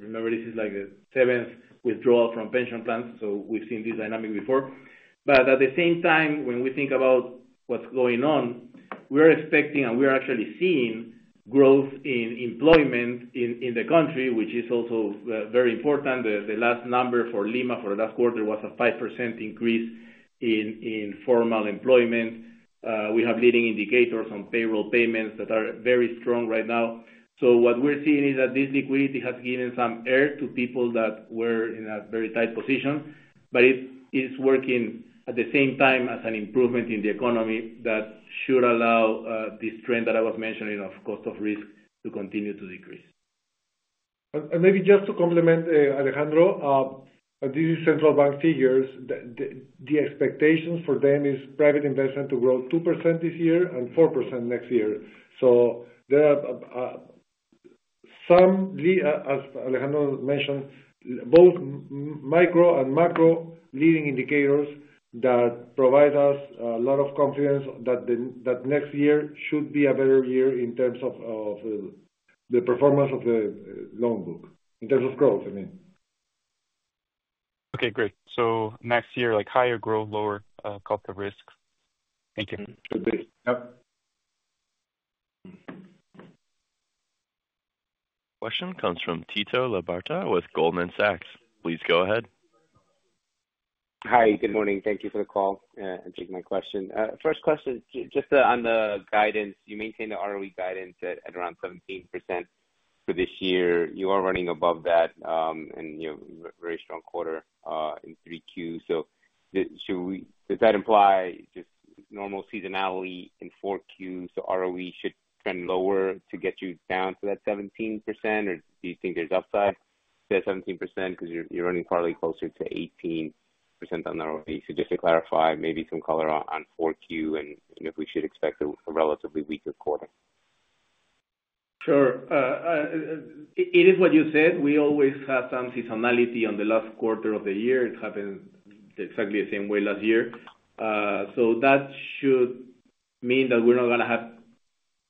Remember, this is like the seventh withdrawal from pension plans. So we've seen this dynamic before. But at the same time, when we think about what's going on, we are expecting and we are actually seeing growth in employment in the country, which is also very important. The last number for Lima for the last quarter was a 5% increase in formal employment. We have leading indicators on payroll payments that are very strong right now. So what we're seeing is that this liquidity has given some air to people that were in a very tight position, but it is working at the same time as an improvement in the economy that should allow this trend that I was mentioning of cost of risk to continue to decrease. And maybe just to complement Alejandro, these central bank figures, the expectation for them is private investment to grow 2% this year and 4% next year. So there are some, as Alejandro mentioned, both micro and macro leading indicators that provide us a lot of confidence that next year should be a better year in terms of the performance of the loan book, in terms of growth, I mean. Okay, great. So next year, higher growth, lower cost of risk. Thank you. Question comes from Tito Labarta with Goldman Sachs. Please go ahead. Hi, good morning. Thank you for the call and taking my question. First question, just on the guidance, you maintain the ROE guidance at around 17% for this year. You are running above that in a very strong quarter in three Qs. So does that imply just normal seasonality in four Qs? So ROE should trend lower to get you down to that 17%, or do you think there's upside to that 17% because you're running probably closer to 18% on ROE? So just to clarify, maybe some color on four Qs and if we should expect a relatively weaker quarter. Sure. It is what you said. We always have some seasonality on the last quarter of the year. It happened exactly the same way last year. So that should mean that we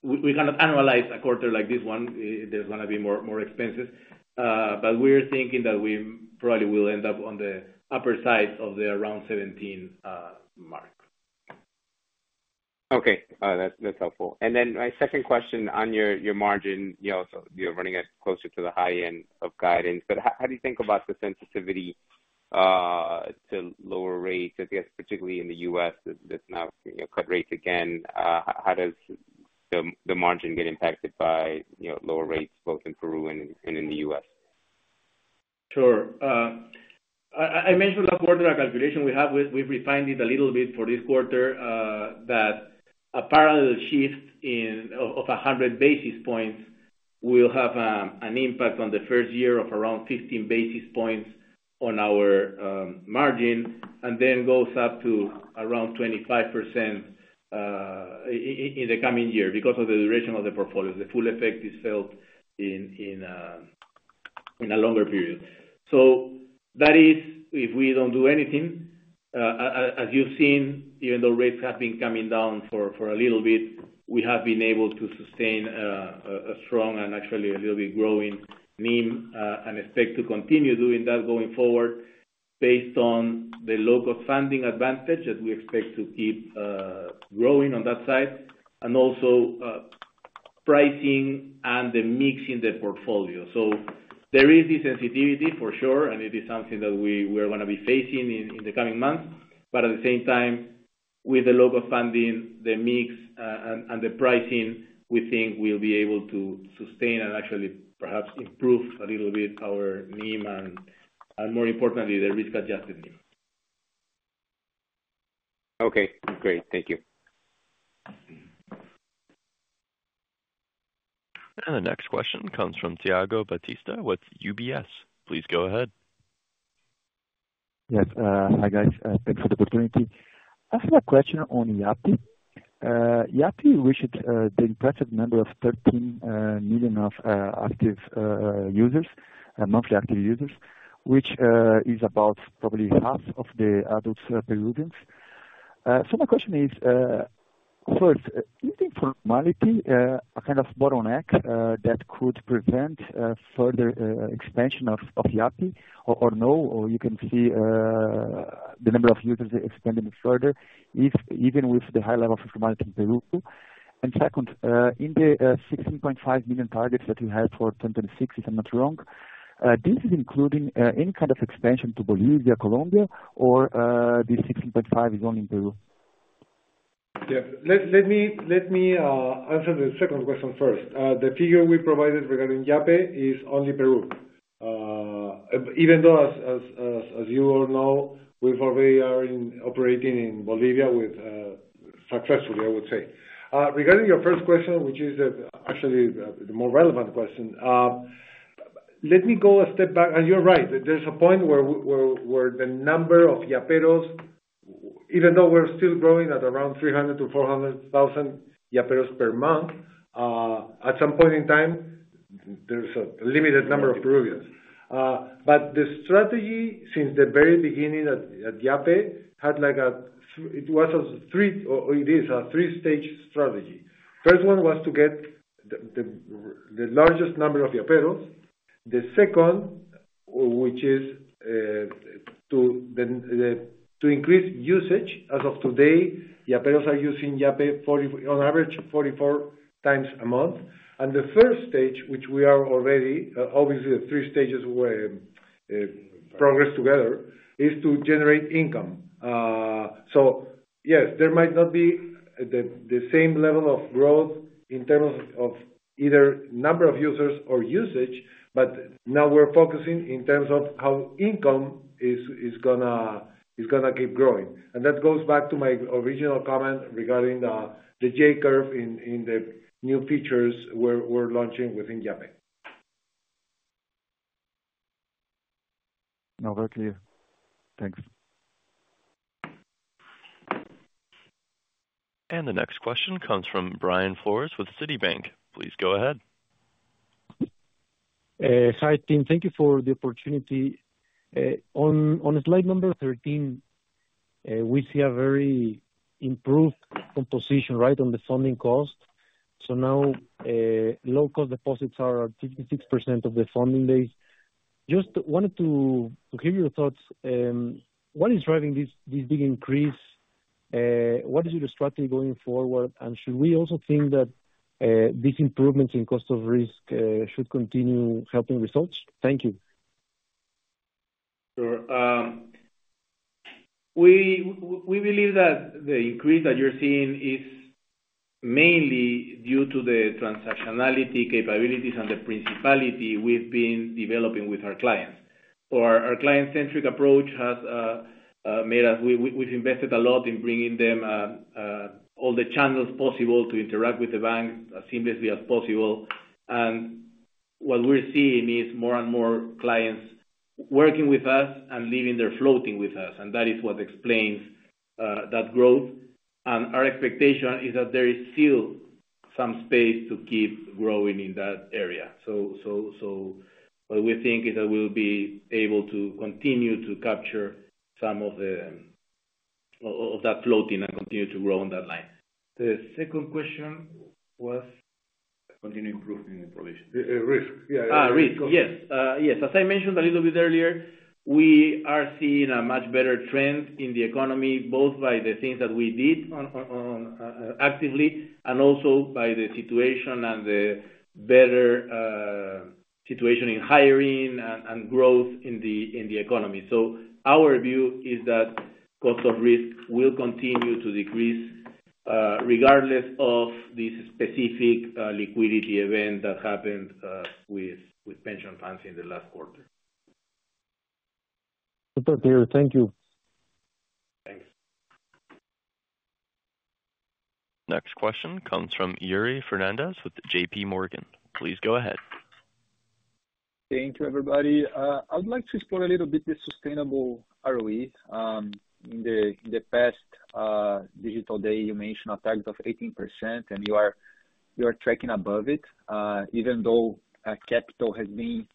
cannot analyze a quarter like this one. There's going to be more expenses. But we're thinking that we probably will end up on the upper side of the around 17 mark. Okay. That's helpful. And then my second question on your margin, so you're running it closer to the high end of guidance. But how do you think about the sensitivity to lower rates, I guess, particularly in the U.S. that's now cut rates again? How does the margin get impacted by lower rates, both in Peru and in the U.S.? Sure. I mentioned last quarter our calculation. We've refined it a little bit for this quarter that a parallel shift of 100 basis points will have an impact on the first year of around 15 basis points on our margin and then goes up to around 25% in the coming year because of the duration of the portfolio. The full effect is felt in a longer period, so that is if we don't do anything. As you've seen, even though rates have been coming down for a little bit, we have been able to sustain a strong and actually a little bit growing NIM and expect to continue doing that going forward based on the low-cost funding advantage that we expect to keep growing on that side, and also pricing and the mix in the portfolio. So there is this sensitivity, for sure, and it is something that we are going to be facing in the coming months but at the same time, with the low-cost funding, the mix, and the pricing, we think we'll be able to sustain and actually perhaps improve a little bit our NIM and, more importantly, the risk-adjusted NIM. Okay. Great. Thank you. And the next question comes from Thiago Batista with UBS. Please go ahead. Yes. Hi, guys. Thanks for the opportunity. I have a question on Yape. Yape reached the impressive number of 13 million active users, monthly active users, which is about probably half of the adult Peruvians. So my question is, first, is the informality a kind of bottleneck that could prevent further expansion of Yape, or no, or you can see the number of users expanding further, even with the high level of informality in Peru? And second, in the 16.5 million targets that you had for 2026, if I'm not wrong, this is including any kind of expansion to Bolivia, Colombia, or this 16.5 is only in Peru? Yeah. Let me answer the second question first. The figure we provided regarding Yape is only Peru. Even though, as you all know, we already are operating in Bolivia successfully, I would say. Regarding your first question, which is actually the more relevant question, let me go a step back. You're right. There's a point where the number of Yaperos, even though we're still growing at around 300-400 thousand Yaperos per month, at some point in time, there's a limited number of Peruvians. The strategy since the very beginning at Yape had like a it was a three, or it is a three-stage strategy. First one was to get the largest number of Yaperos. The second, which is to increase usage. As of today, Yaperos are using Yape on average 44x a month. The first stage, which we are already, obviously, the three stages where progress together, is to generate income. So yes, there might not be the same level of growth in terms of either number of users or usage, but now we're focusing in terms of how income is going to keep growing. And that goes back to my original comment regarding the J-curve in the new features we're launching within Yape. No, that's clear. Thanks. The next question comes from Brian Flores with Citibank. Please go ahead. Hi, Team. Thank you for the opportunity. On slide number 13, we see a very improved composition right on the funding cost. So now low-cost deposits are at 56% of the funding base. Just wanted to hear your thoughts. What is driving this big increase? What is your strategy going forward? And should we also think that these improvements in cost of risk should continue helping results? Thank you. Sure. We believe that the increase that you're seeing is mainly due to the transactionality capabilities and the principality we've been developing with our clients. Our client-centric approach has made us. We've invested a lot in bringing them all the channels possible to interact with the bank as seamlessly as possible. What we're seeing is more and more clients working with us and leaving their float with us. That is what explains that growth. Our expectation is that there is still some space to keep growing in that area. What we think is that we'll be able to continue to capture some of that float and continue to grow on that line. The second question was— continue improving in the provision risk. Yeah. Risk. Yes. Yes. As I mentioned a little bit earlier, we are seeing a much better trend in the economy, both by the things that we did actively and also by the situation and the better situation in hiring and growth in the economy. So our view is that cost of risk will continue to decrease regardless of this specific liquidity event that happened with pension funds in the last quarter. Good to hear. Thank you. Thanks. Next question comes from Yuri Fernandes with JP Morgan. Please go ahead. Thank you, everybody. I would like to explore a little bit the sustainable ROE. In the past Digital Day, you mentioned a target of 18%, and you are tracking above it, even though capital has been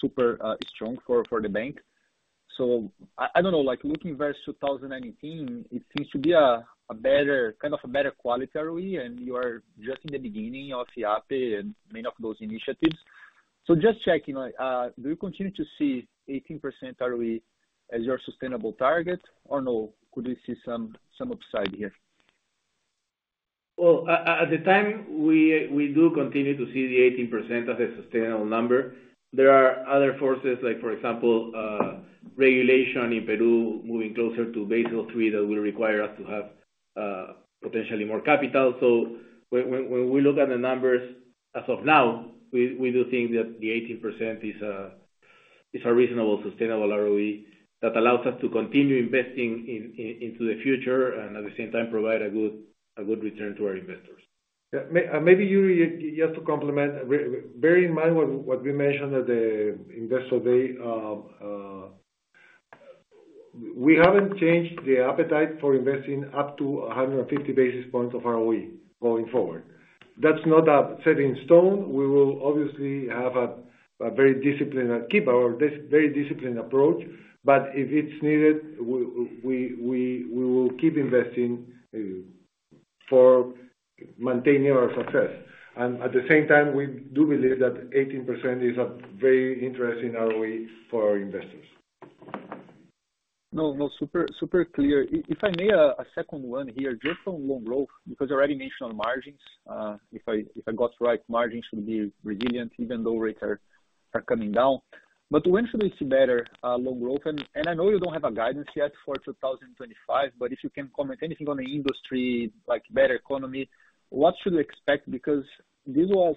super strong for the bank. So I don't know. Looking versus 2019, it seems to be kind of a better quality ROE, and you are just in the beginning of Yape and many of those initiatives. So just checking, do you continue to see 18% ROE as your sustainable target, or no? Could we see some upside here? Well, at the time, we do continue to see the 18% as a sustainable number. There are other forces, like for example, regulation in Peru moving closer to Basel III that will require us to have potentially more capital. So when we look at the numbers as of now, we do think that the 18% is a reasonable sustainable ROE that allows us to continue investing into the future and at the same time provide a good return to our investors. Maybe, Yuri, just to complement, bearing in mind what we mentioned at the Investor Day, we haven't changed the appetite for investing up to 150 basis points of ROE going forward. That's not set in stone. We will obviously keep our very disciplined approach, but if it's needed, we will keep investing for maintaining our success. And at the same time, we do believe that 18% is a very interesting ROE for our investors. No, no, super clear. If I may, a second one here, just on loan growth, because you already mentioned on margins, if I got it right, margins should be resilient even though rates are coming down. But when should we see better loan growth? And I know you don't have guidance yet for 2025, but if you can comment anything on the industry, like better economy, what should we expect? Because this was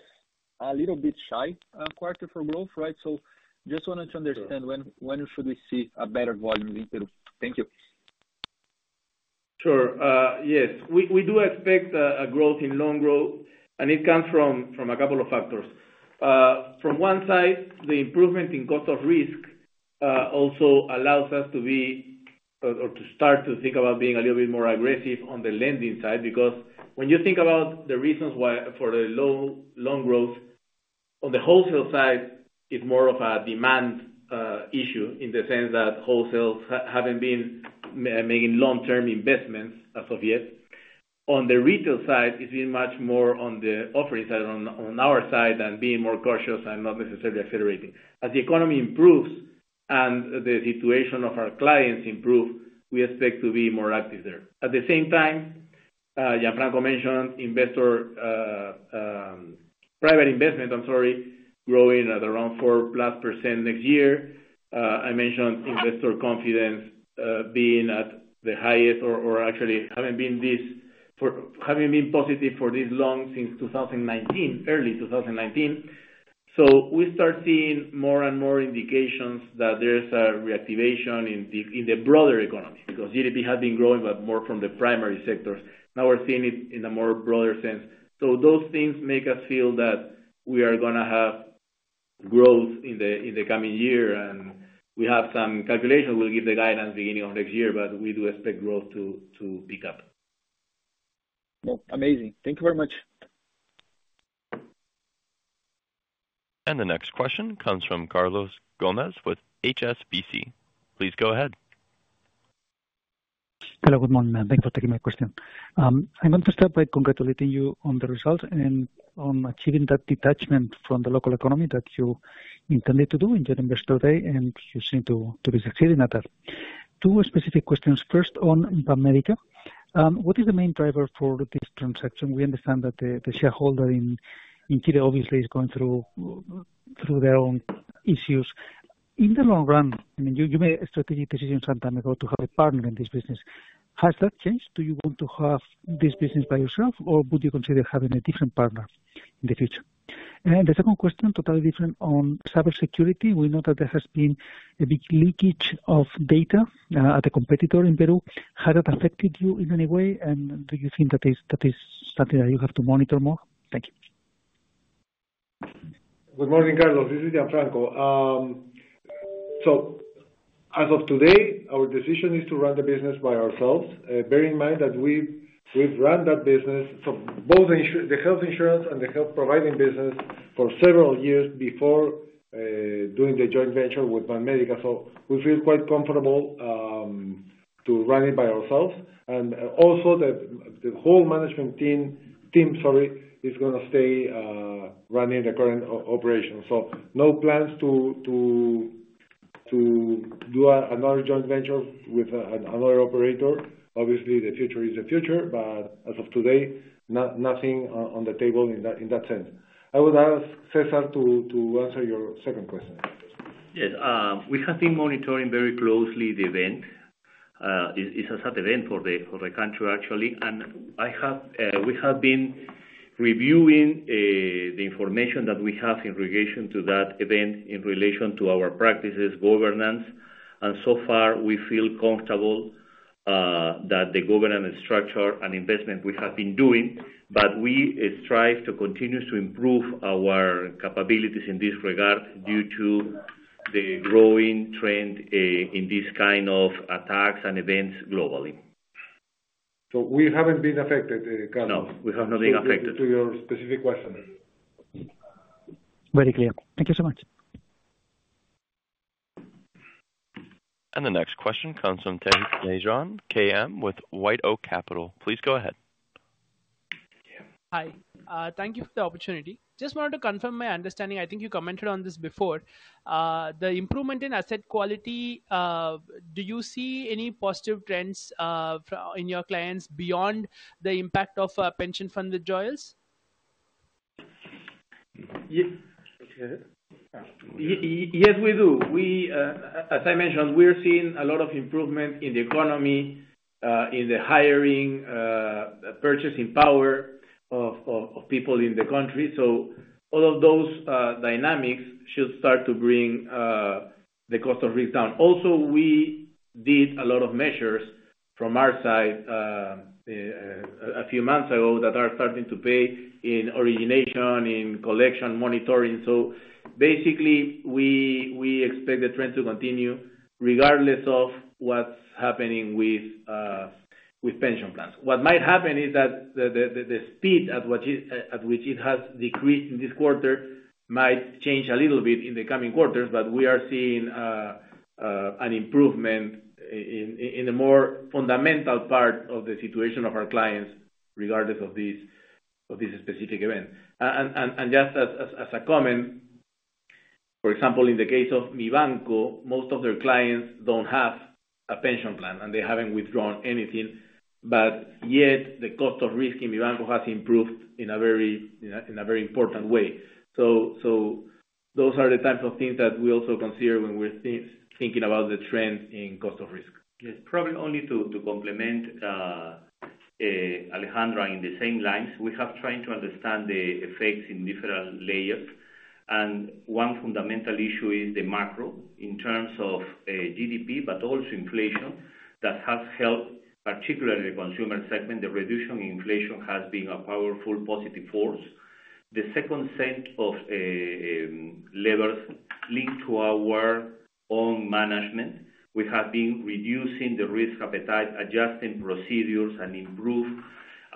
a little bit shy quarter for growth, right? So just wanted to understand when should we see better volumes in Peru? Thank you. Sure. Yes. We do expect a growth in loan growth, and it comes from a couple of factors. From one side, the improvement in cost of risk also allows us to be or to start to think about being a little bit more aggressive on the lending side, because when you think about the reasons for the low loan growth, on the wholesale side, it's more of a demand issue in the sense that wholesales haven't been making long-term investments as of yet. On the retail side, it's been much more on the offering side on our side and being more cautious and not necessarily accelerating. As the economy improves and the situation of our clients improves, we expect to be more active there. At the same time, Gianfranco mentioned investor private investment, I'm sorry, growing at around 4 plus % next year. I mentioned investor confidence being at the highest or actually having been positive for this long since 2019, early 2019. So we start seeing more and more indications that there's a reactivation in the broader economy because GDP has been growing, but more from the primary sectors. Now we're seeing it in a more broader sense. So those things make us feel that we are going to have growth in the coming year. And we have some calculations we'll give the guidance beginning of next year, but we do expect growth to pick up. Amazing. Thank you very much. The next question comes from Carlos Gómez with HSBC. Please go ahead. Hello, good morning. Thanks for taking my question. I'm going to start by congratulating you on the results and on achieving that detachment from the local economy that you intended to do in January today, and you seem to be succeeding at that. Two specific questions. First, on Banmédica. What is the main driver for this transaction? We understand that the shareholder in Chile obviously is going through their own issues. In the long run, you made strategic decisions some time ago to have a partner in this business. Has that changed? Do you want to have this business by yourself, or would you consider having a different partner in the future? And the second question, totally different on cybersecurity. We know that there has been a big leakage of data at a competitor in Peru. Has that affected you in any way? And do you think that is something that you have to monitor more? Thank you. Good morning, Carlos. This is Gianfranco. So as of today, our decision is to run the business by ourselves, bearing in mind that we've run that business, the health insurance and the health providing business for several years before doing the joint venture with Banmédica. So we feel quite comfortable to run it by ourselves. And also, the whole management team, sorry, is going to stay running the current operation. So no plans to do another joint venture with another operator. Obviously, the future is the future, but as of today, nothing on the table in that sense. I would ask César to answer your second question. Yes. We have been monitoring very closely the event. It's a sad event for the country, actually. And we have been reviewing the information that we have in relation to that event in relation to our practices, governance. And so far, we feel comfortable that the governance structure and investment we have been doing, but we strive to continue to improve our capabilities in this regard due to the growing trend in this kind of attacks and events globally. So we haven't been affected, Carlos. No, we have not been affected. To your specific question. Very clear. Thank you so much. The next question comes from Terry Leijon with White Oak Capital. Please go ahead. Hi. Thank you for the opportunity. Just wanted to confirm my understanding. I think you commented on this before. The improvement in asset quality, do you see any positive trends in your clients beyond the impact of pension fund withdrawals? Yes, we do. As I mentioned, we are seeing a lot of improvement in the economy, in the hiring, purchasing power of people in the country. All of those dynamics should start to bring the cost of risk down. Also, we did a lot of measures from our side a few months ago that are starting to pay in origination, in collection, monitoring. Basically, we expect the trend to continue regardless of what's happening with pension plans. What might happen is that the speed at which it has decreased in this quarter might change a little bit in the coming quarters, but we are seeing an improvement in the more fundamental part of the situation of our clients regardless of this specific event. Just as a comment, for example, in the case of Mibanco, most of their clients don't have a pension plan, and they haven't withdrawn anything. Yet, the cost of risk in Mibanco has improved in a very important way. So those are the types of things that we also consider when we're thinking about the trend in cost of risk. Yes. Probably only to complement Alejandro along the same lines, we have tried to understand the effects in different layers. And one fundamental issue is the macro in terms of GDP, but also inflation that has helped particularly the consumer segment. The reduction in inflation has been a powerful positive force. The second set of levers linked to our own management, we have been reducing the risk appetite, adjusting procedures, and improving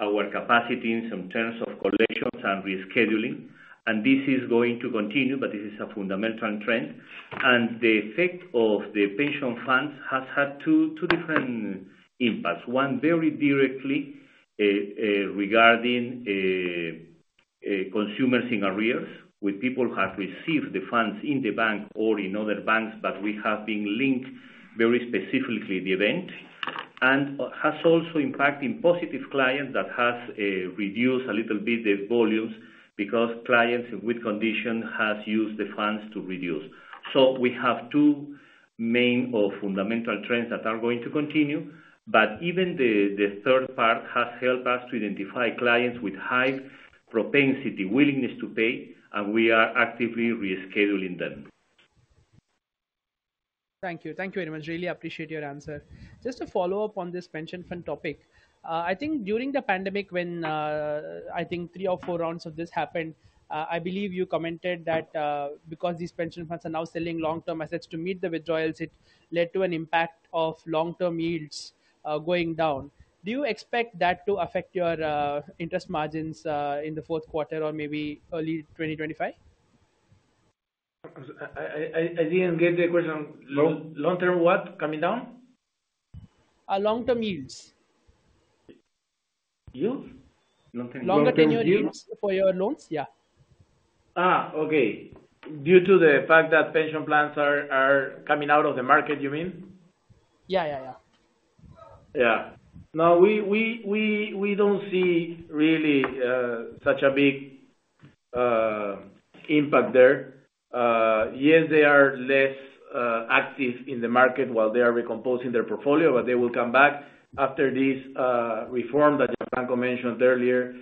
our capacities in terms of collections and rescheduling. And this is going to continue, but this is a fundamental trend. And the effect of the pension funds has had two different impacts. One very directly regarding consumers in arrears, with people who have received the funds in the bank or in other banks, but we have been linked very specifically the event, and has also impacted positive clients that has reduced a little bit the volumes because clients with conditions have used the funds to reduce, so we have two main or fundamental trends that are going to continue, but even the third part has helped us to identify clients with high propensity, willingness to pay, and we are actively rescheduling them. Thank you. Thank you very much. Really appreciate your answer. Just to follow up on this pension fund topic, I think during the pandemic, when I think three or four rounds of this happened, I believe you commented that because these pension funds are now selling long-term assets to meet the withdrawals, it led to an impact of long-term yields going down. Do you expect that to affect your interest margins in the fourth quarter or maybe early 2025? I didn't get the question. Long-term what? Coming down? Long-term yields. Yields? Longer tenure yields for your loans, yeah. Okay. Due to the fact that pension plans are coming out of the market, you mean? Yeah, yeah, yeah. Yeah. No, we don't see really such a big impact there. Yes, they are less active in the market while they are recomposing their portfolio, but they will come back after this reform that Gianfranco mentioned earlier.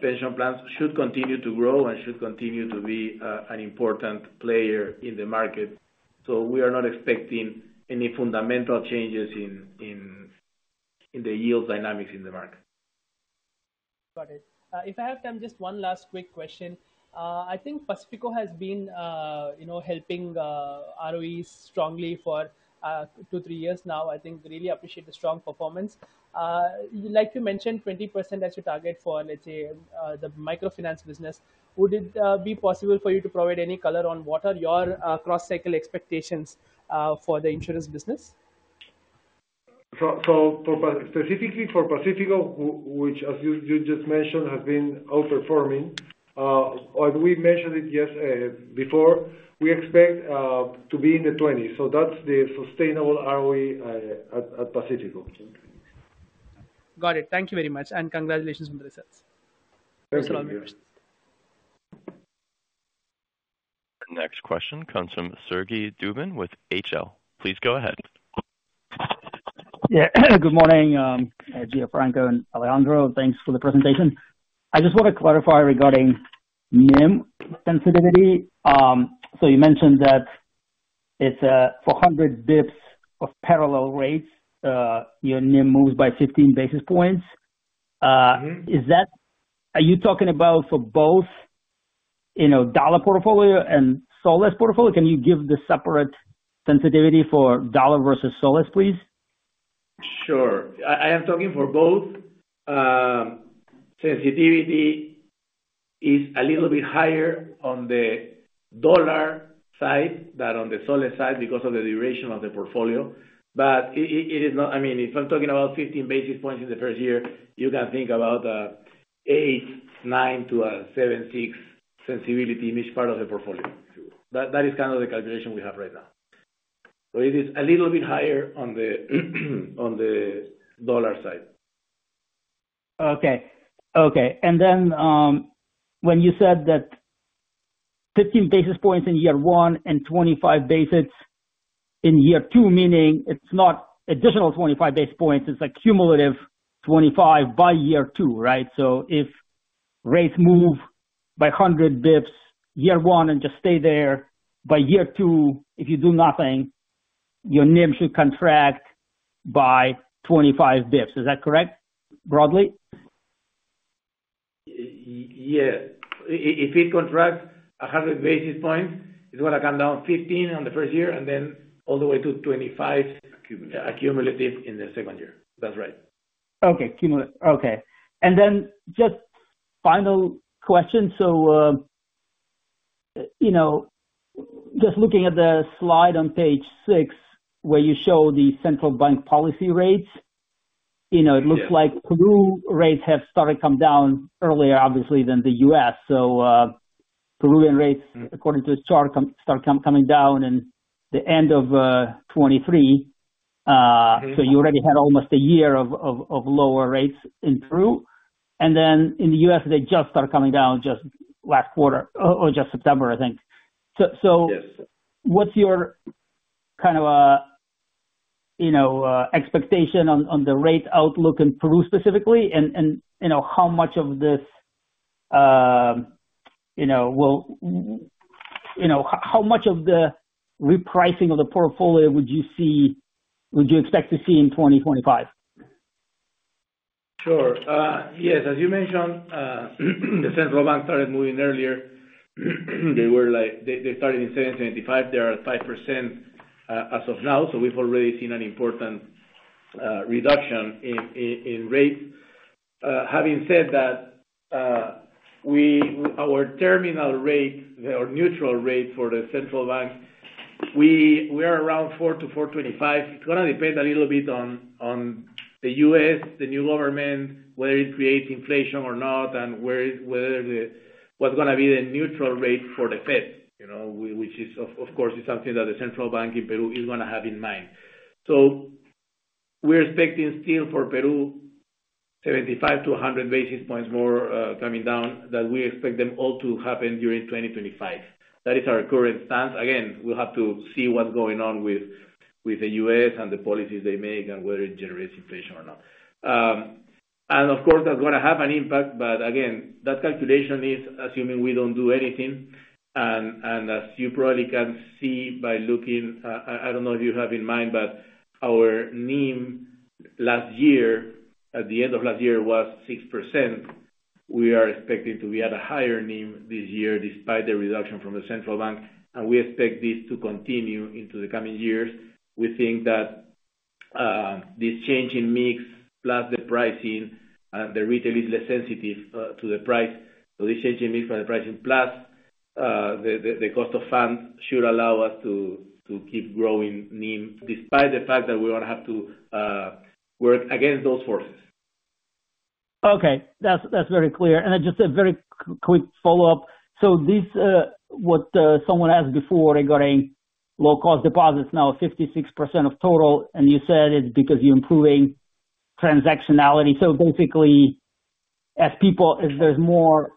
Pension plans should continue to grow and should continue to be an important player in the market. So we are not expecting any fundamental changes in the yield dynamics in the market. Got it. If I have time, just one last quick question. I think Pacífico has been helping ROEs strongly for two, three years now. I think really appreciate the strong performance. Like you mentioned, 20% as your target for, let's say, the microfinance business. Would it be possible for you to provide any color on what are your cross-cycle expectations for the insurance business? Specifically for Pacífico, which, as you just mentioned, has been outperforming. We mentioned it, yes, before. We expect to be in the 20s. So that's the sustainable ROE at Pacífico. Got it. Thank you very much, and congratulations on the results. Thank you. Thanks for all my questions. Next question comes from Sergey Dubin with HL. Please go ahead. Yeah. Good morning, Gianfranco and Alejandro. Thanks for the presentation. I just want to clarify regarding NIM sensitivity. So you mentioned that it's 400 basis points of parallel rates. Your NIM moves by 15 basis points. Are you talking about for both dollar portfolio and soles portfolio? Can you give the separate sensitivity for dollar versus soles, please? Sure. I am talking for both. Sensitivity is a little bit higher on the dollar side than on the soles side because of the duration of the portfolio. But it is not. I mean, if I'm talking about 15 basis points in the first year, you can think about an 8-9 to a 7-6 sensitivity in each part of the portfolio. That is kind of the calculation we have right now. So it is a little bit higher on the dollar side. Okay. Okay. And then when you said that 15 basis points in year one and 25 basis points in year two, meaning it's not additional 25 basis points, it's a cumulative 25 by year two, right? So if rates move by 100 basis points year one and just stay there, by year two, if you do nothing, your NIM should contract by 25 basis points. Is that correct, broadly? Yeah. If it contracts 100 basis points, it's going to come down 15 on the first year and then all the way to 25 cumulative in the second year. That's right. Okay. Okay. And then just final question. So just looking at the slide on page 6 where you show the central bank policy rates, it looks like Peru rates have started to come down earlier, obviously, than the U.S. So Peruvian rates, according to this chart, started coming down in the end of 2023. So you already had almost a year of lower rates in Peru. And then in the U.S., they just started coming down just last quarter or just September, I think. So what's your kind of expectation on the rate outlook in Peru specifically, and how much of the repricing of the portfolio would you expect to see in 2025? Sure. Yes. As you mentioned, the central bank started moving earlier. They started in 7.75%. They're at 5% as of now. So we've already seen an important reduction in rates. Having said that, our terminal rate, our neutral rate for the central bank, we are around 4%-4.25%. It's going to depend a little bit on the U.S., the new government, whether it creates inflation or not, and what's going to be the neutral rate for the Fed, which is, of course, something that the central bank in Peru is going to have in mind. So we're expecting still for Peru, 75 to 100 basis points more coming down that we expect them all to happen during 2025. That is our current stance. Again, we'll have to see what's going on with the U.S. and the policies they make and whether it generates inflation or not. And of course, that's going to have an impact. But again, that calculation is assuming we don't do anything. And as you probably can see by looking, I don't know if you have in mind, but our NIM last year, at the end of last year, was 6%. We are expecting to be at a higher NIM this year despite the reduction from the central bank. And we expect this to continue into the coming years. We think that this change in mix plus the pricing and the retail is less sensitive to the price. So this change in mix plus the pricing plus the cost of funds should allow us to keep growing NIM despite the fact that we're going to have to work against those forces. Okay. That's very clear. And just a very quick follow-up. So what someone asked before regarding low-cost deposits, now 56% of total, and you said it's because you're improving transactionality. So basically, if there's more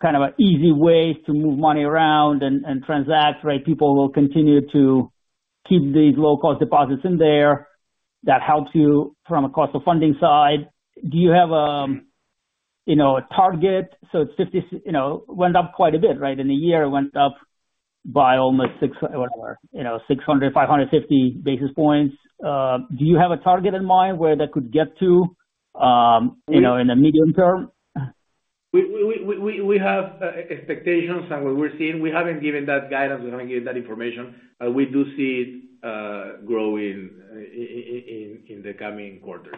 kind of an easy way to move money around and transact, right, people will continue to keep these low-cost deposits in there. That helps you from a cost of funding side. Do you have a target? So it went up quite a bit, right? In a year, it went up by almost 600, 550 basis points. Do you have a target in mind where that could get to in the medium term? We have expectations and what we're seeing. We haven't given that guidance. We haven't given that information. But we do see it growing in the coming quarters.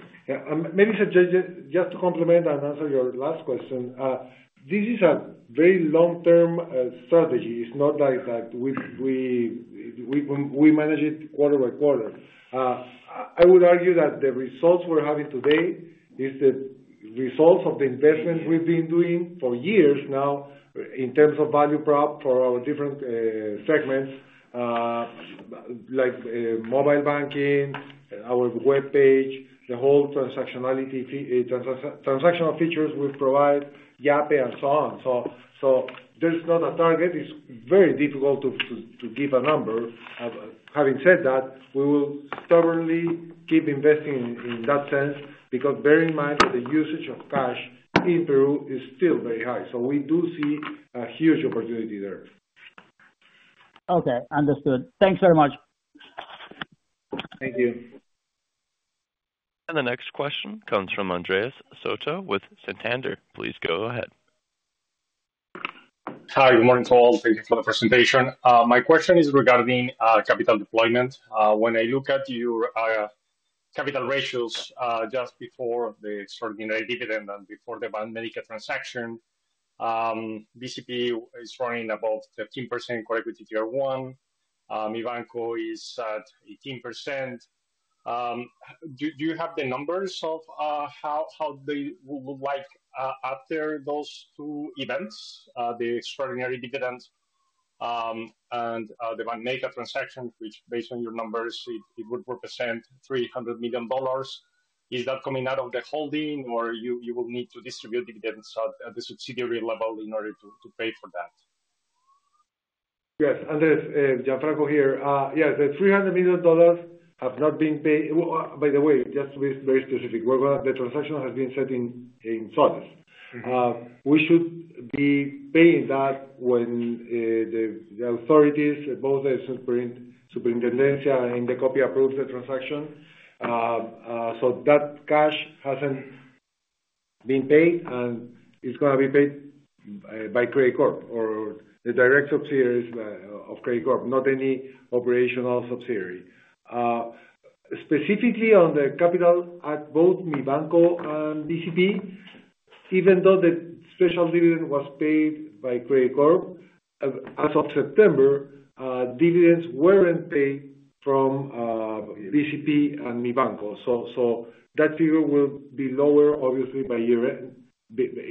Maybe just to complement and answer your last question, this is a very long-term strategy. It's not like that we manage it quarter by quarter. I would argue that the results we're having today is the results of the investments we've been doing for years now in terms of value prop for our different segments like mobile banking, our web page, the whole transactional features we provide, Yape, and so on. So there's not a target. It's very difficult to give a number. Having said that, we will stubbornly keep investing in that sense because bearing in mind that the usage of cash in Peru is still very high. So we do see a huge opportunity there. Okay. Understood. Thanks very much. Thank you. The next question comes from Andres Soto with Santander. Please go ahead. Hi. Good morning, Saul. Thank you for the presentation. My question is regarding capital deployment. When I look at your capital ratios just before the extraordinary dividend and before the Banmédica transaction, BCP is running above 15% correct with the tier one. Mibanco is at 18%. Do you have the numbers of how they would look like after those two events, the extraordinary dividend and the Banmédica transaction, which based on your numbers, it would represent $300 million. Is that coming out of the holding, or you will need to distribute dividends at the subsidiary level in order to pay for that? Yes. Andres, Gianfranco here. Yes. The $300 million have not been paid. By the way, just to be very specific, the transaction has been set in soles. We should be paying that when the authorities, both the Superintendencia and Indecopi, approve the transaction. So that cash hasn't been paid, and it's going to be paid by Credicorp or the direct subsidiaries of Credicorp, not any operational subsidiary. Specifically on the capital at both Mibanco and BCP, even though the special dividend was paid by Credicorp as of September, dividends weren't paid from BCP and Mibanco. So that figure will be lower, obviously, by year-end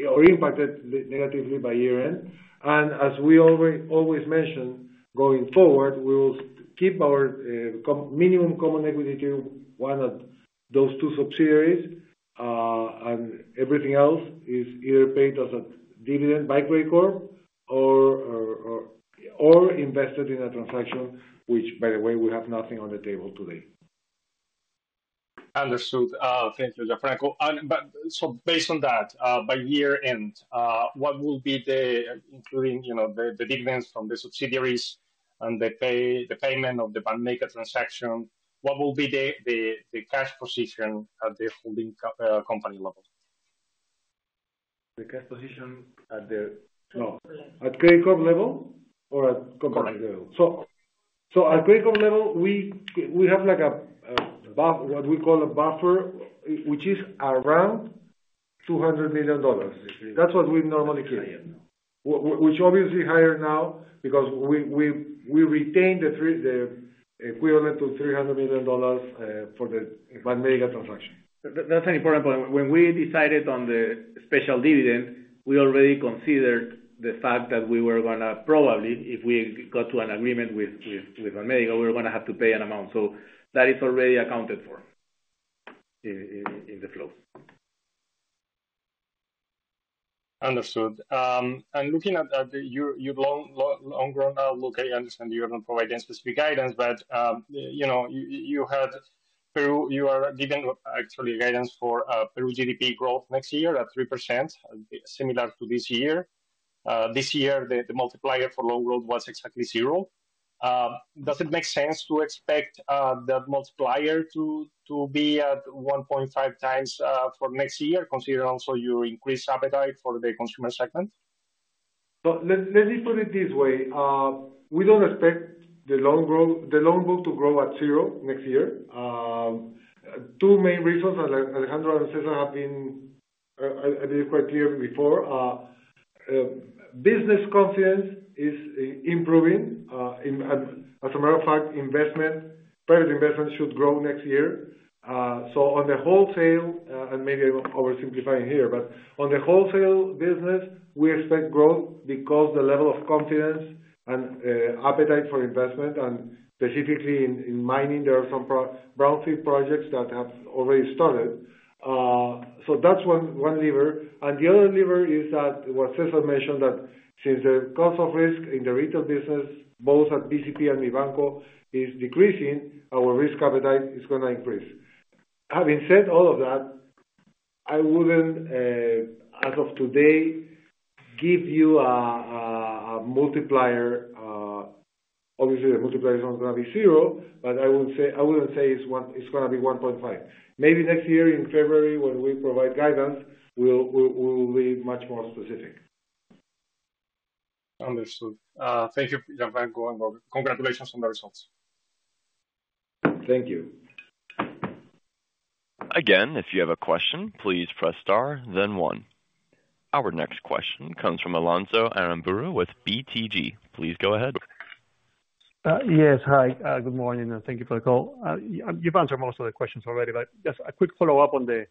or impacted negatively by year-end. As we always mentioned, going forward, we will keep our minimum common equity to one of those two subsidiaries, and everything else is either paid as a dividend by Credicorp or invested in a transaction, which, by the way, we have nothing on the table today. Understood. Thank you, Gianfranco. So based on that, by year-end, what will be the including the dividends from the subsidiaries and the payment of the Banmédica transaction, what will be the cash position at the holding company level? The cash position at the Credicorp level or at company level? At Credicorp level, we have what we call a buffer, which is around $200 million. That's what we normally keep, which obviously is higher now because we retain the equivalent of $300 million for the Banmédica transaction. That's an important point. When we decided on the special dividend, we already considered the fact that we were going to probably, if we got to an agreement with Banmédica, we were going to have to pay an amount. So that is already accounted for in the flow. Understood. Looking at your long-run outlook, I understand you're not providing specific guidance, but you had for Peru you had given, actually, guidance for Peru GDP growth next year at 3%, similar to this year. This year, the multiplier for loan growth was exactly zero. Does it make sense to expect that multiplier to be at 1.5x for next year, considering also your increased appetite for the consumer segment? Let me put it this way. We don't expect the loan growth to grow at zero next year. Two main reasons, Alejandro and César have been quite clear before. Business confidence is improving. As a matter of fact, private investment should grow next year. So on the wholesale, and maybe oversimplifying here, but on the wholesale business, we expect growth because of the level of confidence and appetite for investment. And specifically in mining, there are some brownfield projects that have already started. So that's one lever. The other lever is that what César mentioned, that since the cost of risk in the retail business, both at BCP and Mibanco, is decreasing, our risk appetite is going to increase. Having said all of that, I wouldn't, as of today, give you a multiplier. Obviously, the multiplier is not going to be zero, but I wouldn't say it's going to be 1.5. Maybe next year in February, when we provide guidance, we will be much more specific. Understood. Thank you, Gianfranco, and congratulations on the results. Thank you. Again, if you have a question, please press star, then one. Our next question comes from Alonso Aramburu with BTG. Please go ahead. Yes. Hi. Good morning, and thank you for the call. You've answered most of the questions already, but just a quick follow-up on the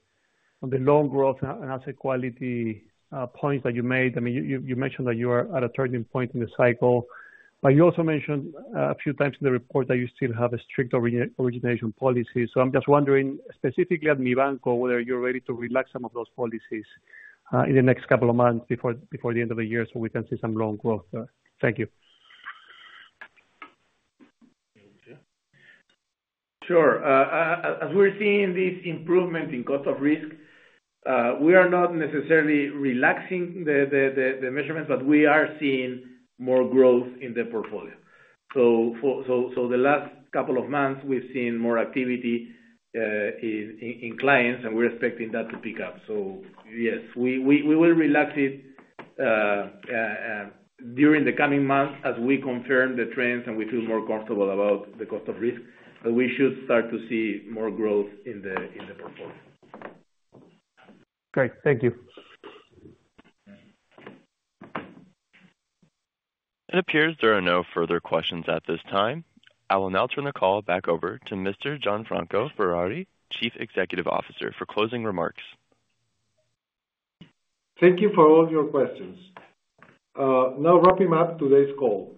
loan growth and asset quality points that you made. I mean, you mentioned that you are at a turning point in the cycle, but you also mentioned a few times in the report that you still have a strict origination policy. So I'm just wondering, specifically at Mibanco, whether you're ready to relax some of those policies in the next couple of months before the end of the year so we can see some loan growth. Thank you. Sure. As we're seeing this improvement in cost of risk, we are not necessarily relaxing the measurements, but we are seeing more growth in the portfolio. So the last couple of months, we've seen more activity in clients, and we're expecting that to pick up. So yes, we will relax it during the coming months as we confirm the trends and we feel more comfortable about the cost of risk, but we should start to see more growth in the portfolio. Great. Thank you. It appears there are no further questions at this time. I will now turn the call back over to Mr. Gianfranco Ferrari, Chief Executive Officer, for closing remarks. Thank you for all your questions. Now wrapping up today's call.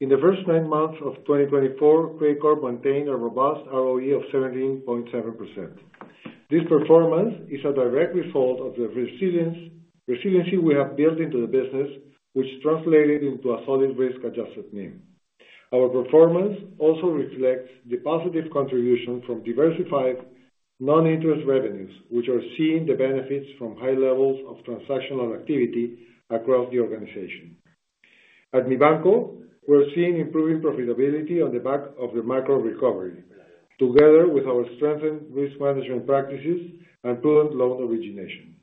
In the first nine months of 2024, Credicorp maintained a robust ROE of 17.7%. This performance is a direct result of the resiliency we have built into the business, which translated into a solid risk-adjusted NIM. Our performance also reflects the positive contribution from diversified non-interest revenues, which are seeing the benefits from high levels of transactional activity across the organization. At Mibanco, we're seeing improving profitability on the back of the macro recovery, together with our strengthened risk management practices and prudent loan origination.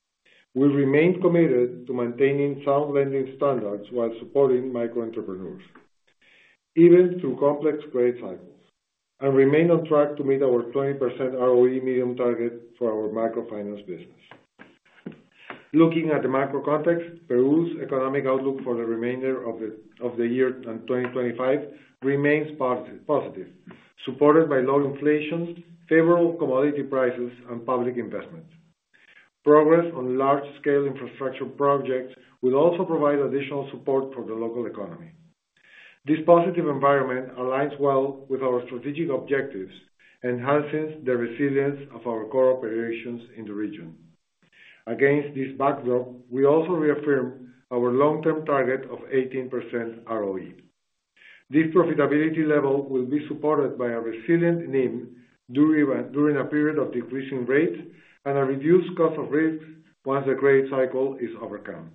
We remain committed to maintaining sound lending standards while supporting microentrepreneurs, even through complex credit cycles, and remain on track to meet our 20% ROE medium-term target for our microfinance business. Looking at the macro context, Peru's economic outlook for the remainder of the year and 2025 remains positive, supported by low inflation, favorable commodity prices, and public investment. Progress on large-scale infrastructure projects will also provide additional support for the local economy. This positive environment aligns well with our strategic objectives and enhances the resilience of our operations in the region. Against this backdrop, we also reaffirm our long-term target of 18% ROE. This profitability level will be supported by a resilient NIM during a period of decreasing rates and a reduced cost of risk once the credit cycle is overcome.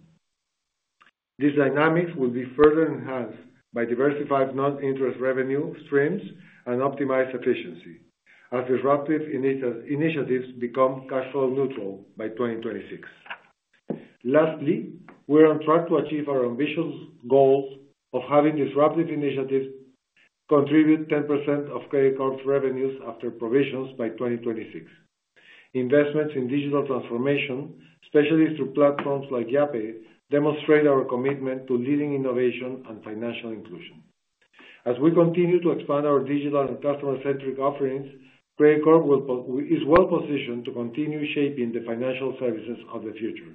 These dynamics will be further enhanced by diversified non-interest revenue streams and optimized efficiency, as disruptive initiatives become cash flow neutral by 2026. Lastly, we're on track to achieve our ambitious goal of having disruptive initiatives contribute 10% of Credicorp's revenues after provisions by 2026. Investments in digital transformation, especially through platforms like Yape, demonstrate our commitment to leading innovation and financial inclusion. As we continue to expand our digital and customer-centric offerings, Credicorp is well-positioned to continue shaping the financial services of the future,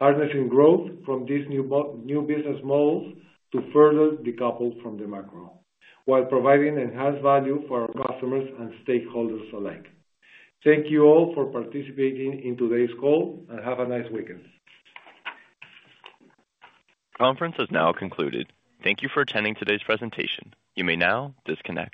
harnessing growth from these new business models to further decouple from the macro while providing enhanced value for our customers and stakeholders alike. Thank you all for participating in today's call, and have a nice weekend. The conference has now concluded. Thank you for attending today's presentation. You may now disconnect.